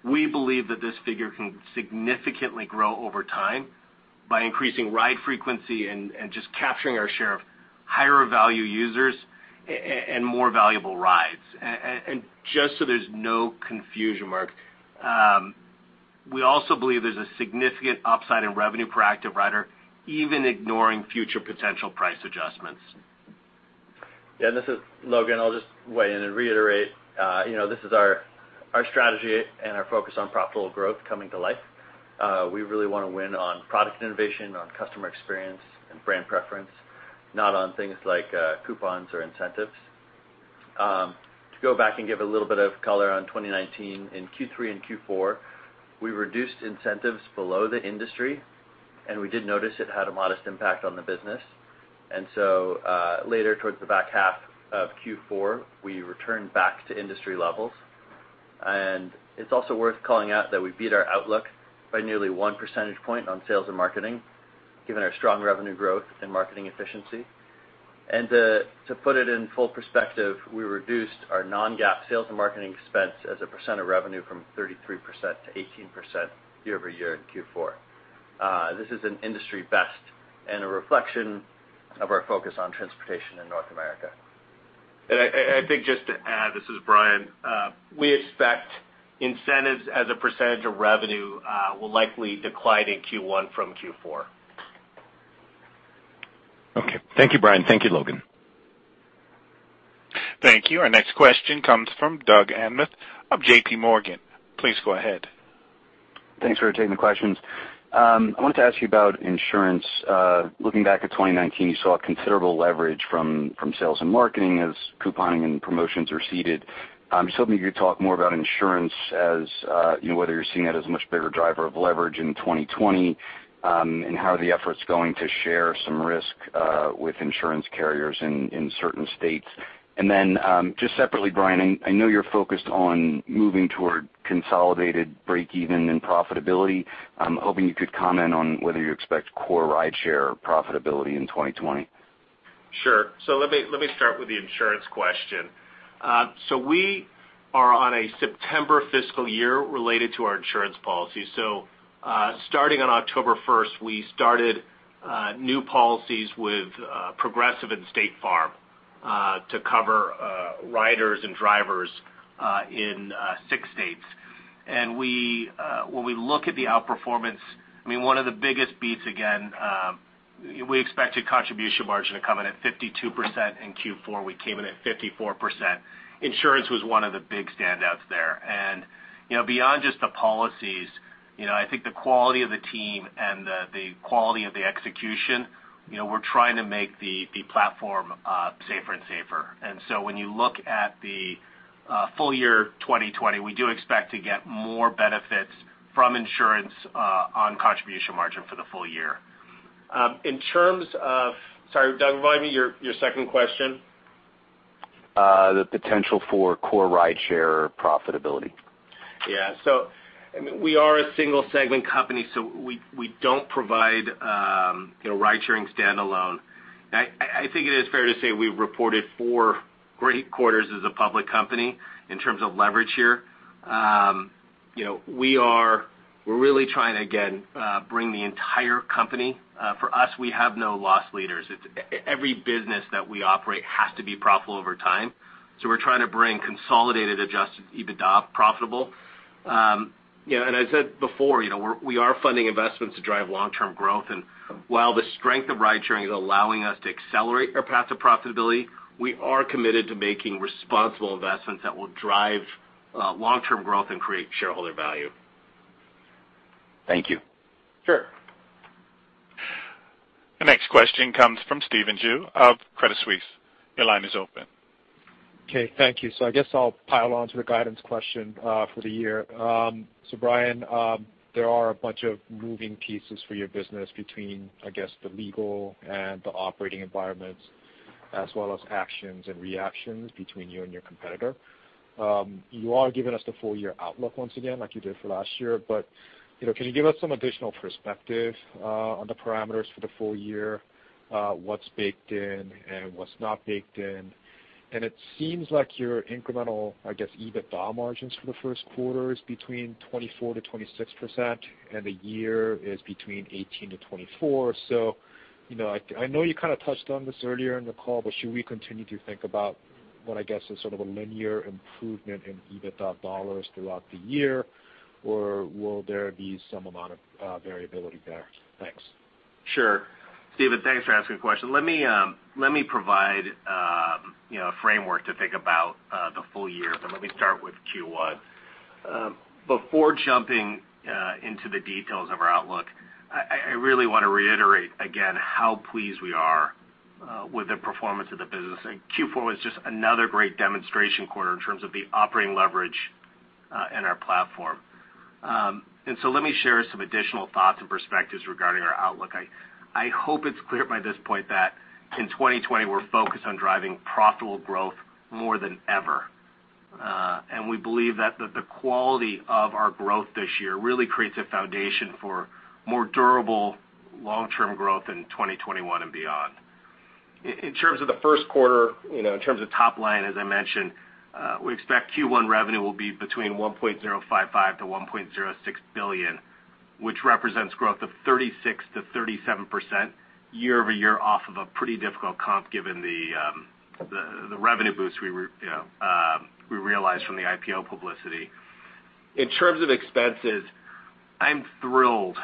We believe that this figure can significantly grow over time by increasing ride frequency and just capturing our share of higher-value users and more valuable rides. Just so there's no confusion, Mark, we also believe there's a significant upside in revenue per active rider, even ignoring future potential price adjustments. Yeah, this is Logan. I'll just weigh in and reiterate this is our strategy and our focus on profitable growth coming to life. We really want to win on product innovation, on customer experience, and brand preference, not on things like coupons or incentives. To go back and give a little bit of color on 2019, in Q3 and Q4, we reduced incentives below the industry. We did notice it had a modest impact on the business. Later towards the back half of Q4, we returned back to industry levels. It's also worth calling out that we beat our outlook by nearly one percentage point on sales and marketing, given our strong revenue growth and marketing efficiency. To put it in full perspective, we reduced our non-GAAP sales and marketing expense as a percent of revenue from 33%-8% year-over-year in Q4. This is an industry best and a reflection of our focus on transportation in North America. I think just to add, this is Brian, we expect incentives as a percent of revenue will likely decline in Q1 from Q4. Okay. Thank you, Brian. Thank you, Logan. Thank you. Our next question comes from Doug Anmuth of JPMorgan. Please go ahead. Thanks for taking the questions. I wanted to ask you about insurance. Looking back at 2019, you saw considerable leverage from sales and marketing as couponing and promotions receded. I was hoping you could talk more about insurance as whether you're seeing that as a much bigger driver of leverage in 2020, and how are the efforts going to share some risk with insurance carriers in certain states. Just separately, Brian, I know you're focused on moving toward consolidated breakeven and profitability. I'm hoping you could comment on whether you expect core rideshare profitability in 2020. Sure. Let me start with the insurance question. We are on a September fiscal year related to our insurance policy. Starting on October 1st, we started new policies with Progressive and State Farm to cover riders and drivers in six states. When we look at the outperformance, one of the biggest beats, again, we expected contribution margin to come in at 52% in Q4. We came in at 54%. Insurance was one of the big standouts there. Beyond just the policies, I think the quality of the team and the quality of the execution, we're trying to make the platform safer and safer. When you look at the full year 2020, we do expect to get more benefits from insurance on contribution margin for the full year. Sorry, Doug, remind me your second question. The potential for core rideshare profitability. Yeah. We are a single-segment company, so we don't provide ridesharing standalone. I think it is fair to say we've reported four great quarters as a public company in terms of leverage here. We're really trying to, again, bring the entire company. For us, we have no loss leaders. Every business that we operate has to be profitable over time. We're trying to bring consolidated adjusted EBITDA profitable. As I said before, we are funding investments to drive long-term growth. While the strength of ridesharing is allowing us to accelerate our path to profitability, we are committed to making responsible investments that will drive long-term growth and create shareholder value. Thank you. Sure. The next question comes from Stephen Ju of Credit Suisse. Your line is open. Okay, thank you. I guess I'll pile on to the guidance question for the year. Brian, there are a bunch of moving pieces for your business between, I guess, the legal and the operating environments, as well as actions and reactions between you and your competitor. You are giving us the full-year outlook once again like you did for last year, can you give us some additional perspective on the parameters for the full year? What's baked in and what's not baked in? It seems like your incremental, I guess, EBITDA margins for the first quarter is 24%-26%, and the year is 18%-24%. I know you kind of touched on this earlier in the call, but should we continue to think about what I guess is sort of a linear improvement in EBITDA dollars throughout the year, or will there be some amount of variability there? Thanks. Sure. Steven, thanks for asking a question. Let me provide a framework to think about the full year, let me start with Q1. Before jumping into the details of our outlook, I really want to reiterate again how pleased we are with the performance of the business. Q4 was just another great demonstration quarter in terms of the operating leverage in our platform. Let me share some additional thoughts and perspectives regarding our outlook. I hope it's clear by this point that in 2020, we're focused on driving profitable growth more than ever. We believe that the quality of our growth this year really creates a foundation for more durable long-term growth in 2021 and beyond. In terms of the first quarter, in terms of top line, as I mentioned, we expect Q1 revenue will be between $1.055 billion-$1.06 billion, which represents growth of 36%-37% year-over-year off of a pretty difficult comp, given the revenue boost we realized from the IPO publicity. In terms of expenses, I'm thrilled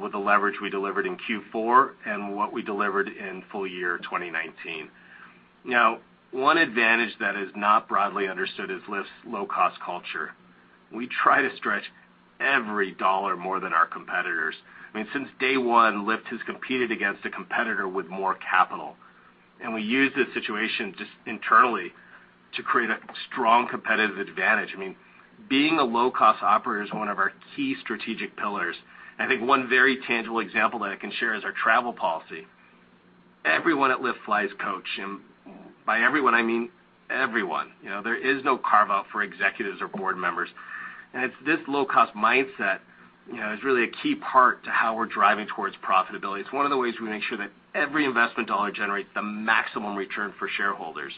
with the leverage we delivered in Q4 and what we delivered in full-year 2019. Now, one advantage that is not broadly understood is Lyft's low-cost culture. We try to stretch every dollar more than our competitors. I mean, since day one, Lyft has competed against a competitor with more capital, and we use this situation just internally to create a strong competitive advantage. I mean, being a low-cost operator is one of our key strategic pillars. I think one very tangible example that I can share is our travel policy. Everyone at Lyft flies coach, and by everyone, I mean everyone. There is no carve-out for executives or board members. It's this low-cost mindset is really a key part to how we're driving towards profitability. It's one of the ways we make sure that every investment dollar generates the maximum return for shareholders.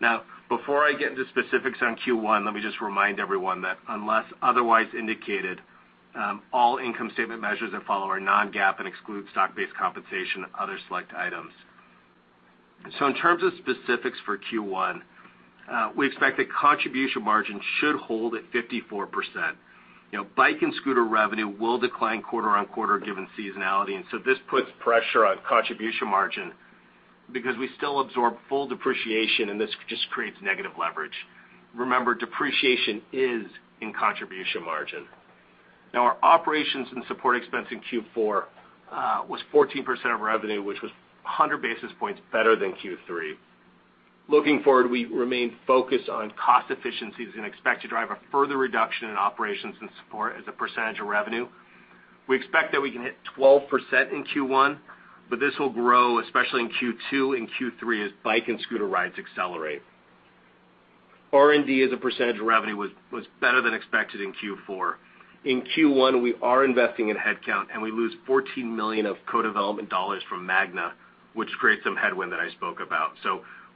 Now, before I get into specifics on Q1, let me just remind everyone that unless otherwise indicated, all income statement measures that follow are non-GAAP and exclude stock-based compensation and other select items. In terms of specifics for Q1, we expect the contribution margin should hold at 54%. Bike and scooter revenue will decline quarter-on-quarter given seasonality, and so this puts pressure on contribution margin because we still absorb full depreciation and this just creates negative leverage. Remember, depreciation is in contribution margin. Our operations and support expense in Q4 was 14% of revenue, which was 100 basis points better than Q3. Looking forward, we remain focused on cost efficiencies and expect to drive a further reduction in operations and support as a percentage of revenue. We expect that we can hit 12% in Q1, but this will grow especially in Q2 and Q3 as bike and scooter rides accelerate. R&D as a percentage of revenue was better than expected in Q4. In Q1, we are investing in headcount, and we lose $14 million of co-development dollars from Magna, which creates some headwind that I spoke about.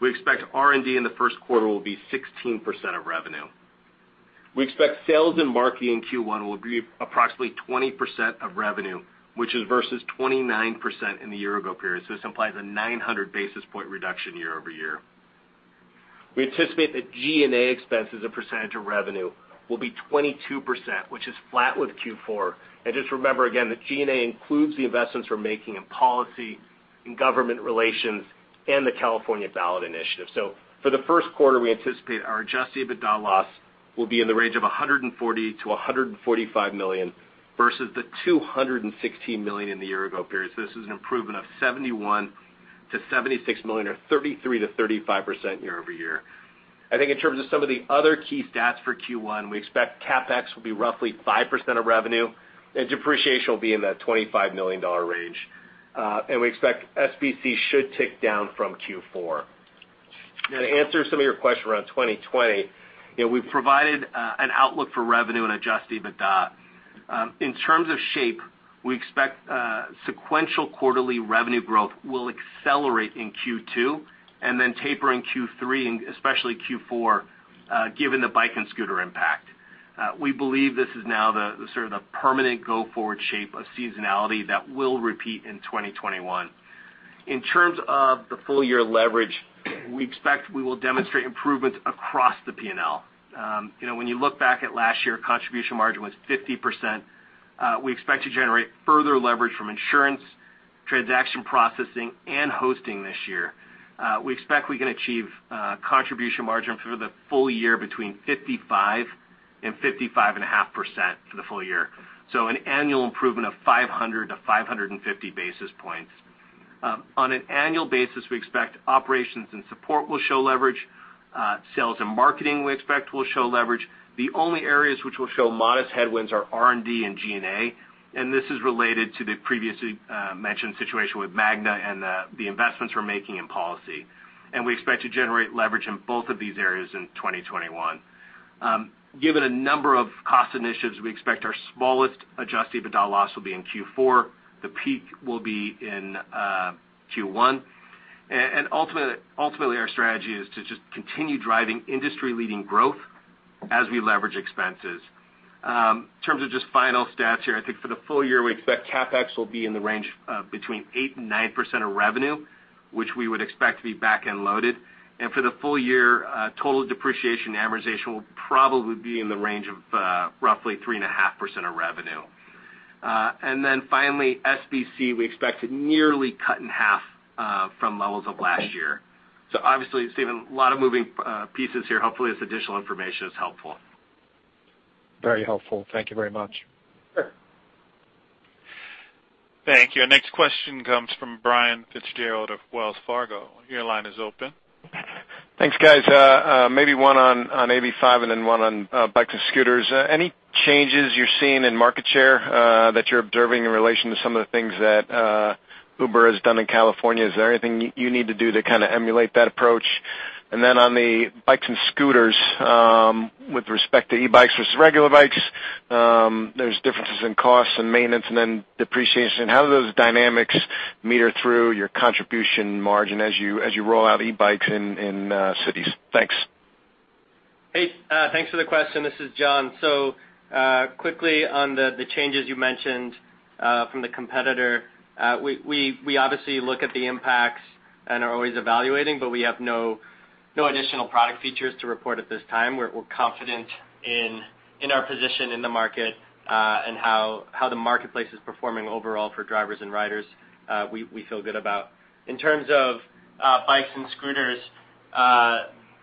We expect R&D in the first quarter will be 16% of revenue. We expect sales and marketing in Q1 will be approximately 20% of revenue, which is versus 29% in the year-ago period. This implies a 900-basis-point reduction year-over-year. We anticipate that G&A expenses as a percentage of revenue will be 22%, which is flat with Q4. Just remember again, that G&A includes the investments we're making in policy, in government relations, and the California ballot initiative. For the first quarter, we anticipate our adjusted EBITDA loss will be in the range of $140 million-$145 million versus the $216 million in the year-ago period. This is an improvement of $71 million-$76 million or 33%-35% year-over-year. I think in terms of some of the other key stats for Q1, we expect CapEx will be roughly 5% of revenue and depreciation will be in that $25 million range. We expect SBC should tick down from Q4. Now to answer some of your questions around 2020, we've provided an outlook for revenue and adjusted EBITDA. In terms of shape, we expect sequential quarterly revenue growth will accelerate in Q2 and then taper in Q3 and especially Q4, given the bike and scooter impact. We believe this is now the sort of the permanent go-forward shape of seasonality that will repeat in 2021. In terms of the full-year leverage, we expect we will demonstrate improvements across the P&L. When you look back at last year, contribution margin was 50%. We expect to generate further leverage from insurance, transaction processing, and hosting this year. We expect we can achieve contribution margin for the full year between 55% and 55.5% for the full year. An annual improvement of 500-550 basis points. On an annual basis, we expect operations and support will show leverage. Sales and marketing we expect will show leverage. The only areas which will show modest headwinds are R&D and G&A, and this is related to the previously mentioned situation with Magna and the investments we're making in policy. We expect to generate leverage in both of these areas in 2021. Given a number of cost initiatives, we expect our smallest adjusted EBITDA loss will be in Q4. The peak will be in Q1. Ultimately, our strategy is to just continue driving industry-leading growth as we leverage expenses. In terms of just final stats here, I think for the full year, we expect CapEx will be in the range between 8% and 9% of revenue, which we would expect to be back-end loaded. For the full year, total depreciation and amortization will probably be in the range of roughly 3.5% of revenue. Finally, SBC, we expect to nearly cut in half from levels of last year. Obviously, Stephen, a lot of moving pieces here. Hopefully, this additional information is helpful. Very helpful. Thank you very much. Sure. Thank you. Our next question comes from Brian Fitzgerald of Wells Fargo. Your line is open. Thanks, guys. Maybe one on AV and then one on bikes and scooters. Any changes you're seeing in market share that you're observing in relation to some of the things that Uber has done in California? Is there anything you need to do to emulate that approach? On the bikes and scooters, with respect to e-bikes versus regular bikes, there's differences in costs and maintenance and then depreciation. How do those dynamics meter through your contribution margin as you roll out e-bikes in cities? Thanks. Hey, thanks for the question. This is John. Quickly on the changes you mentioned from the competitor, we obviously look at the impacts and are always evaluating, but we have no additional product features to report at this time. We're confident in our position in the market and how the marketplace is performing overall for drivers and riders. We feel good about. In terms of bikes and scooters,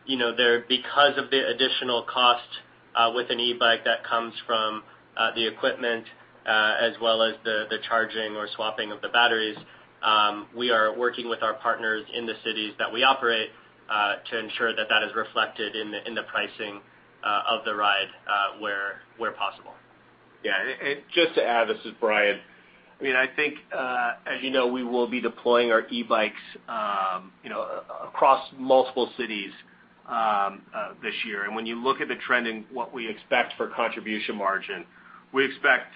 because of the additional cost with an e-bike that comes from the equipment as well as the charging or swapping of the batteries, we are working with our partners in the cities that we operate to ensure that is reflected in the pricing of the ride where possible. Yeah. Just to add, this is Brian. I think, as you know, we will be deploying our e-bikes across multiple cities this year. When you look at the trend in what we expect for contribution margin, we expect,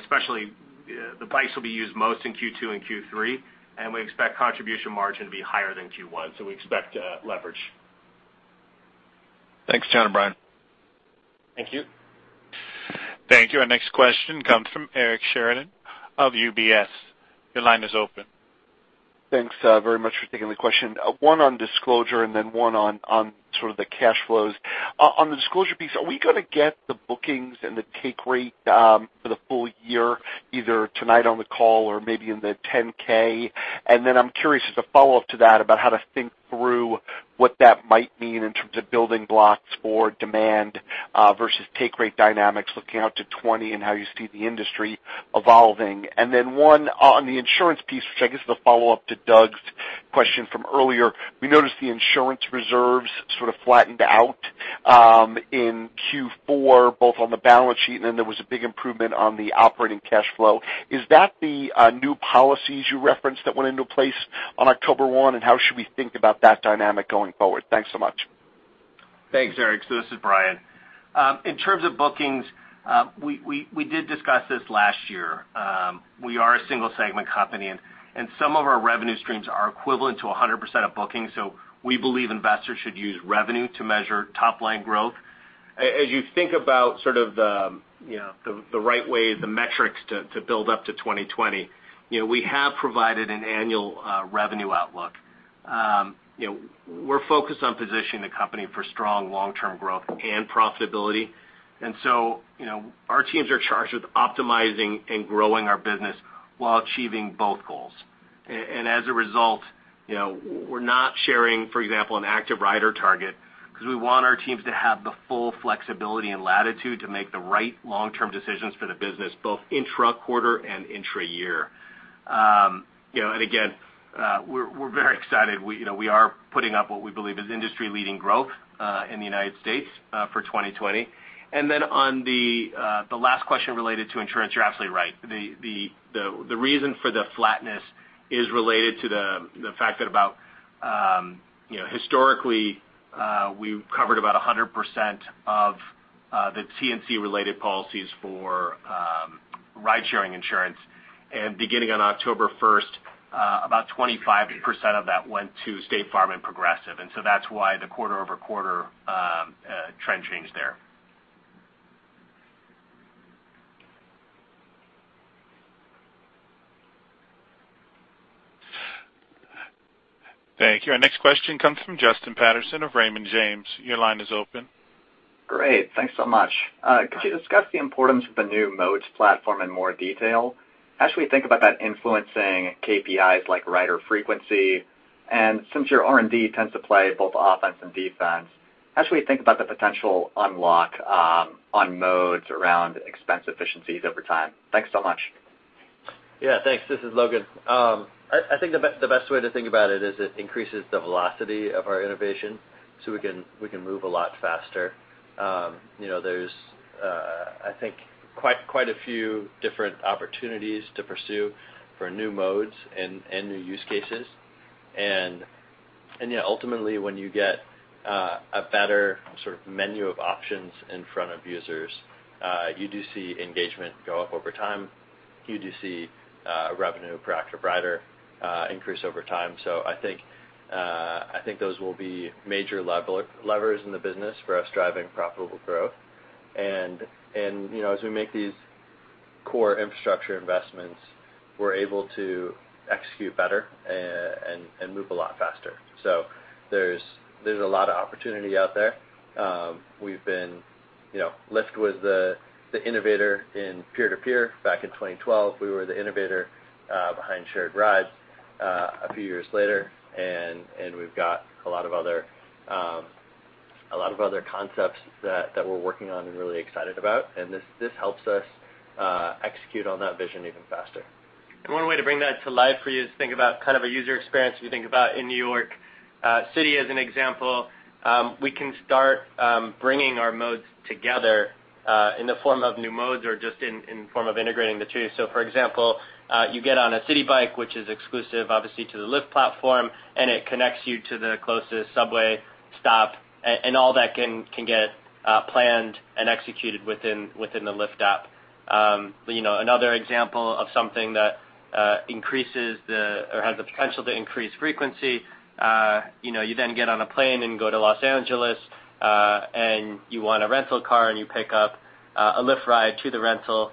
especially the bikes will be used most in Q2 and Q3. We expect contribution margin to be higher than Q1. We expect leverage. Thanks, John and Brian. Thank you. Thank you. Our next question comes from Eric Sheridan of UBS. Your line is open. Thanks very much for taking the question. One on disclosure and then one on sort of the cash flows. On the disclosure piece, are we going to get the bookings and the take rate for the full year, either tonight on the call or maybe in the 10-K? I'm curious, as a follow-up to that, about how to think through what that might mean in terms of building blocks for demand versus take rate dynamics looking out to 2020, and how you see the industry evolving. One on the insurance piece, which I guess is a follow-up to Doug's question from earlier. We noticed the insurance reserves sort of flattened out in Q4, both on the balance sheet, and then there was a big improvement on the operating cash flow. Is that the new policies you referenced that went into place on October 1? How should we think about that dynamic going forward? Thanks so much. Thanks, Eric. This is Brian. In terms of bookings, we did discuss this last year. We are a single-segment company, and some of our revenue streams are equivalent to 100% of bookings. We believe investors should use revenue to measure top-line growth. As you think about sort of the right way, the metrics to build up to 2020, we have provided an annual revenue outlook. We're focused on positioning the company for strong long-term growth and profitability. Our teams are charged with optimizing and growing our business while achieving both goals. As a result, we're not sharing, for example, an active rider target because we want our teams to have the full flexibility and latitude to make the right long-term decisions for the business, both intra-quarter and intra-year. Again, we're very excited. We are putting up what we believe is industry-leading growth in the U.S. for 2020. On the last question related to insurance, you're absolutely right. The reason for the flatness is related to the fact that about, historically, we've covered about 100% of the TNC-related policies for ride-sharing insurance. Beginning on October 1st, about 25% of that went to State Farm and Progressive. That's why the quarter-over-quarter trend changed there. Thank you. Our next question comes from Justin Patterson of Raymond James. Your line is open. Great. Thanks so much. Could you discuss the importance of the new Modes platform in more detail? How should we think about that influencing KPIs like rider frequency? Since your R&D tends to play both offense and defense, how should we think about the potential unlock on modes around expense efficiencies over time? Thanks so much. Yeah, thanks. This is Logan. I think the best way to think about it is it increases the velocity of our innovation so we can move a lot faster. There's, I think, quite a few different opportunities to pursue for new modes and new use cases. Ultimately, when you get a better sort of menu of options in front of users, you do see engagement go up over time. You do see revenue per active rider increase over time. I think those will be major levers in the business for us driving profitable growth. As we make these core infrastructure investments, we're able to execute better and move a lot faster. There's a lot of opportunity out there. Lyft was the innovator in peer-to-peer back in 2012. We were the innovator behind Shared Rides a few years later, and we've got a lot of other concepts that we're working on and really excited about. This helps us execute on that vision even faster. One way to bring that to life for you is to think about a user experience. If you think about in New York City as an example, we can start bringing our modes together, in the form of new modes or just in form of integrating the two. For example, you get on a Citi Bike, which is exclusive obviously to the Lyft platform, and it connects you to the closest subway stop. All that can get planned and executed within the Lyft app. Another example of something that has the potential to increase frequency, you then get on a plane and go to Los Angeles, and you want a rental car, and you pick up a Lyft ride to the rental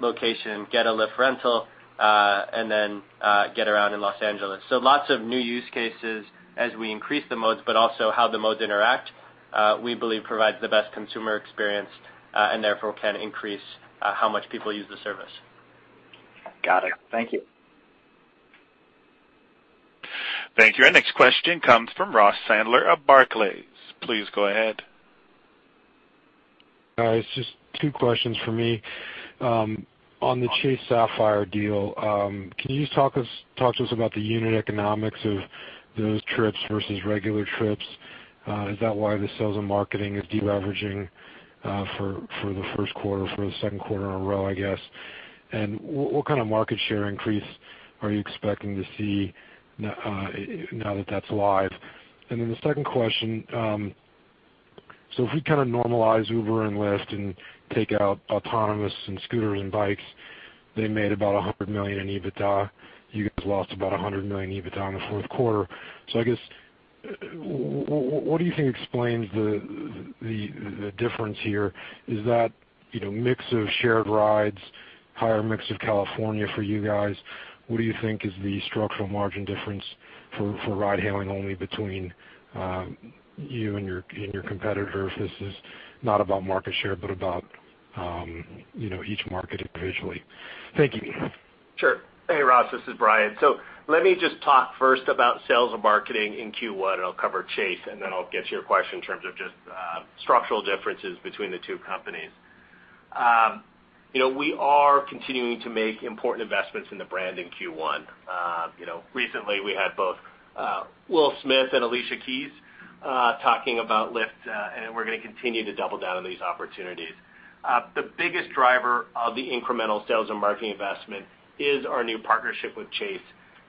location, get a Lyft rental, and then get around in Los Angeles. Lots of new use cases as we increase the modes, but also how the modes interact, we believe provides the best consumer experience, and therefore can increase how much people use the service. Got it. Thank you. Thank you. Our next question comes from Ross Sandler of Barclays. Please go ahead. Guys, just two questions from me. On the Chase Sapphire deal, can you just talk to us about the unit economics of those trips versus regular trips? Is that why the sales and marketing is deleveraging for the first quarter, for the second quarter in a row, I guess? What kind of market share increase are you expecting to see now that that's live? The second question, if we kind of normalize Uber and Lyft and take out autonomous and scooters and bikes, they made about $100 million in EBITDA. You guys lost about $100 million in EBITDA in the fourth quarter. I guess, what do you think explains the difference here? Is that mix of Shared Rides, higher mix of California for you guys? What do you think is the structural margin difference for ride-hailing only between you and your competitor? If this is not about market share, but about each market individually. Thank you. Sure. Hey, Ross, this is Brian. Let me just talk first about sales and marketing in Q1, and I'll cover Chase, and then I'll get to your question in terms of just structural differences between the two companies. We are continuing to make important investments in the brand in Q1. Recently, we had both Will Smith and Alicia Keys talking about Lyft, and we're going to continue to double down on these opportunities. The biggest driver of the incremental sales and marketing investment is our new partnership with Chase.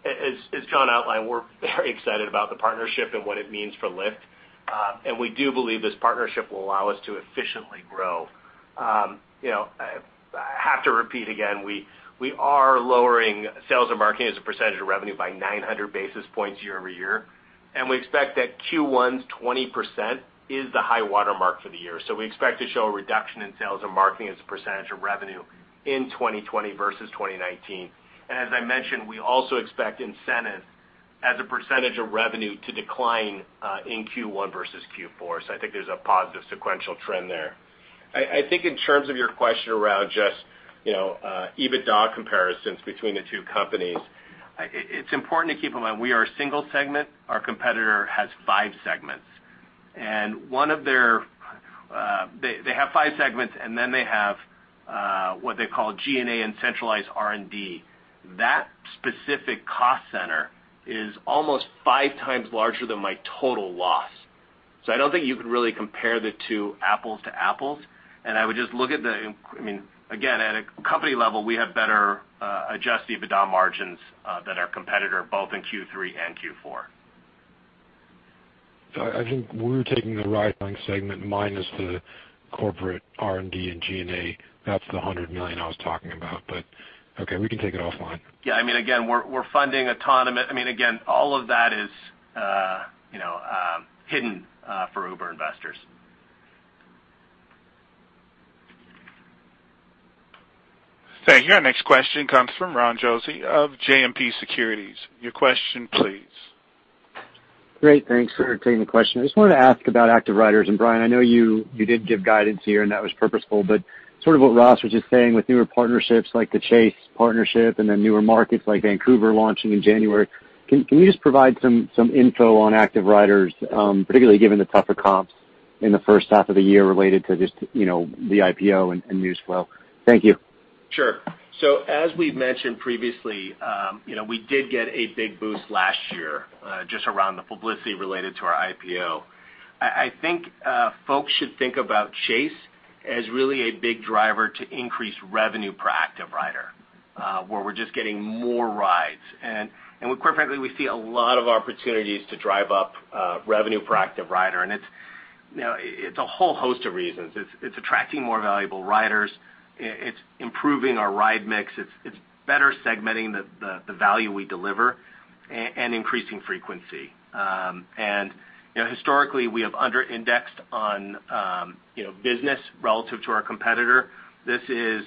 As John outlined, we're very excited about the partnership and what it means for Lyft. We do believe this partnership will allow us to efficiently grow. I have to repeat again, we are lowering sales and marketing as a percentage of revenue by 900 basis points year-over-year. We expect that Q1's 20% is the high-water mark for the year. We expect to show a reduction in sales and marketing as a percentage of revenue in 2020 versus 2019. As I mentioned, we also expect incentives as a percentage of revenue to decline in Q1 versus Q4. I think there's a positive sequential trend there. I think in terms of your question around just EBITDA comparisons between the two companies, it's important to keep in mind we are a single segment. Our competitor has five segments. They have five segments, then they have what they call G&A and centralized R&D. That specific cost center is almost five times larger than my total loss. I don't think you can really compare the two apples to apples. At a company level, we have better adjusted EBITDA margins than our competitor, both in Q3 and Q4. I think when we're taking the ride-hailing segment minus the corporate R&D and G&A, that's the $100 million I was talking about. Okay, we can take it offline. Yeah. Again, all of that is hidden for Uber investors. Thank you. Our next question comes from Ron Josey of JMP Securities. Your question, please. Great. Thanks for taking the question. I just wanted to ask about active riders. Brian, I know you did give guidance here and that was purposeful, but sort of what Ross was just saying with newer partnerships like the Chase partnership and then newer markets like Vancouver launching in January, can you just provide some info on active riders, particularly given the tougher comps in the first half of the year related to just the IPO and news flow? Thank you. Sure. As we've mentioned previously, we did get a big boost last year, just around the publicity related to our IPO. I think folks should think about Chase as really a big driver to increase revenue per active rider, where we're just getting more rides. Quite frankly, we see a lot of opportunities to drive up revenue per active rider. It's a whole host of reasons. It's attracting more valuable riders. It's improving our ride mix. It's better segmenting the value we deliver. Increasing frequency. Historically, we have under-indexed on business relative to our competitor. This is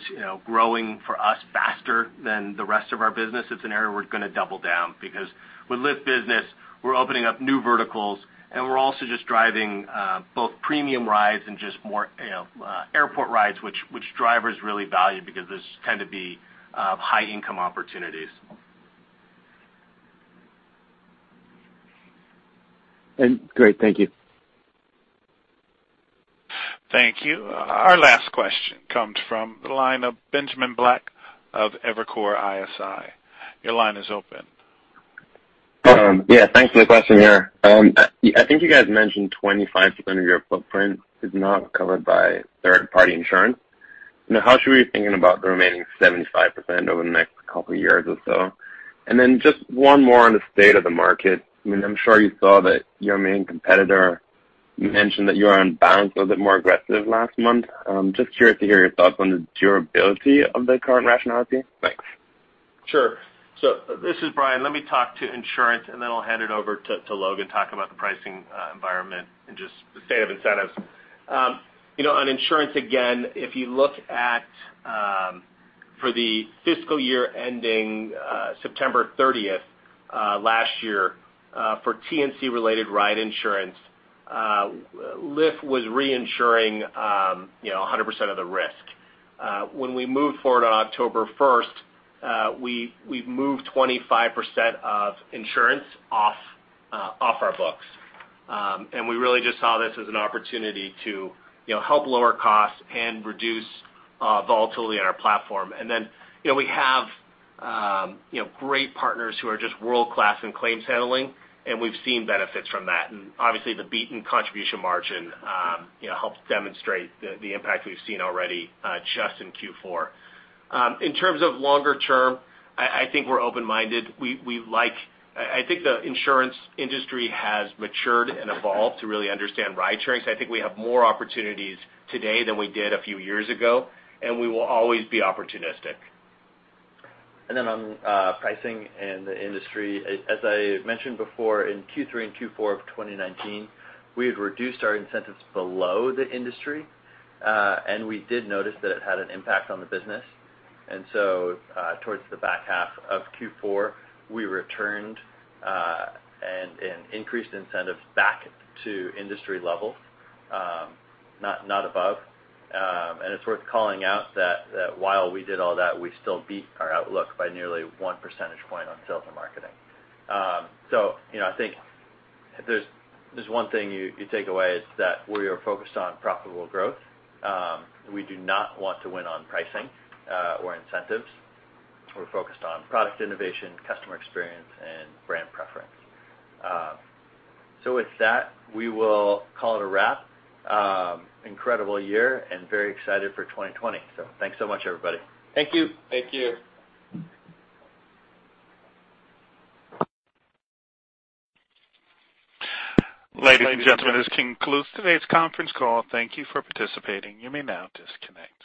growing for us faster than the rest of our business. It's an area we're going to double down, because with Lyft Business, we're opening up new verticals, and we're also just driving both premium rides and just more airport rides, which drivers really value because those tend to be high-income opportunities. Great. Thank you. Thank you. Our last question comes from the line of Benjamin Black of Evercore ISI. Your line is open. Yeah. Thanks for the question here. I think you guys mentioned 25% of your footprint is not covered by third-party insurance. Now, how should we be thinking about the remaining 75% over the next couple of years or so? Just one more on the state of the market. I'm sure you saw that your main competitor mentioned that you are, on balance, a bit more aggressive last month. Just curious to hear your thoughts on the durability of the current rationality. Thanks. Sure. This is Brian. Let me talk to insurance, and then I'll hand it over to Logan to talk about the pricing environment and just the state of incentives. On insurance, again, if you look at for the fiscal year ending September 30th last year for TNC-related ride insurance, Lyft was reinsuring 100% of the risk. When we moved forward on October 1st, we've moved 25% of insurance off our books. We really just saw this as an opportunity to help lower costs and reduce volatility on our platform. We have great partners who are just world-class in claims handling, and we've seen benefits from that. Obviously, the beaten contribution margin helps demonstrate the impact we've seen already just in Q4. In terms of longer term, I think we're open-minded. I think the insurance industry has matured and evolved to really understand ridesharing. I think we have more opportunities today than we did a few years ago. We will always be opportunistic. On pricing and the industry, as I mentioned before, in Q3 and Q4 of 2019, we had reduced our incentives below the industry. We did notice that it had an impact on the business. Towards the back half of Q4, we returned and increased incentives back to industry level, not above. It's worth calling out that while we did all that, we still beat our outlook by nearly one percentage point on sales and marketing. I think if there's one thing you take away, it's that we are focused on profitable growth. We do not want to win on pricing or incentives. We're focused on product innovation, customer experience, and brand preference. With that, we will call it a wrap. Incredible year and very excited for 2020. Thanks so much, everybody. Thank you. Thank you. Ladies and gentlemen, this concludes today's conference call. Thank you for participating. You may now disconnect.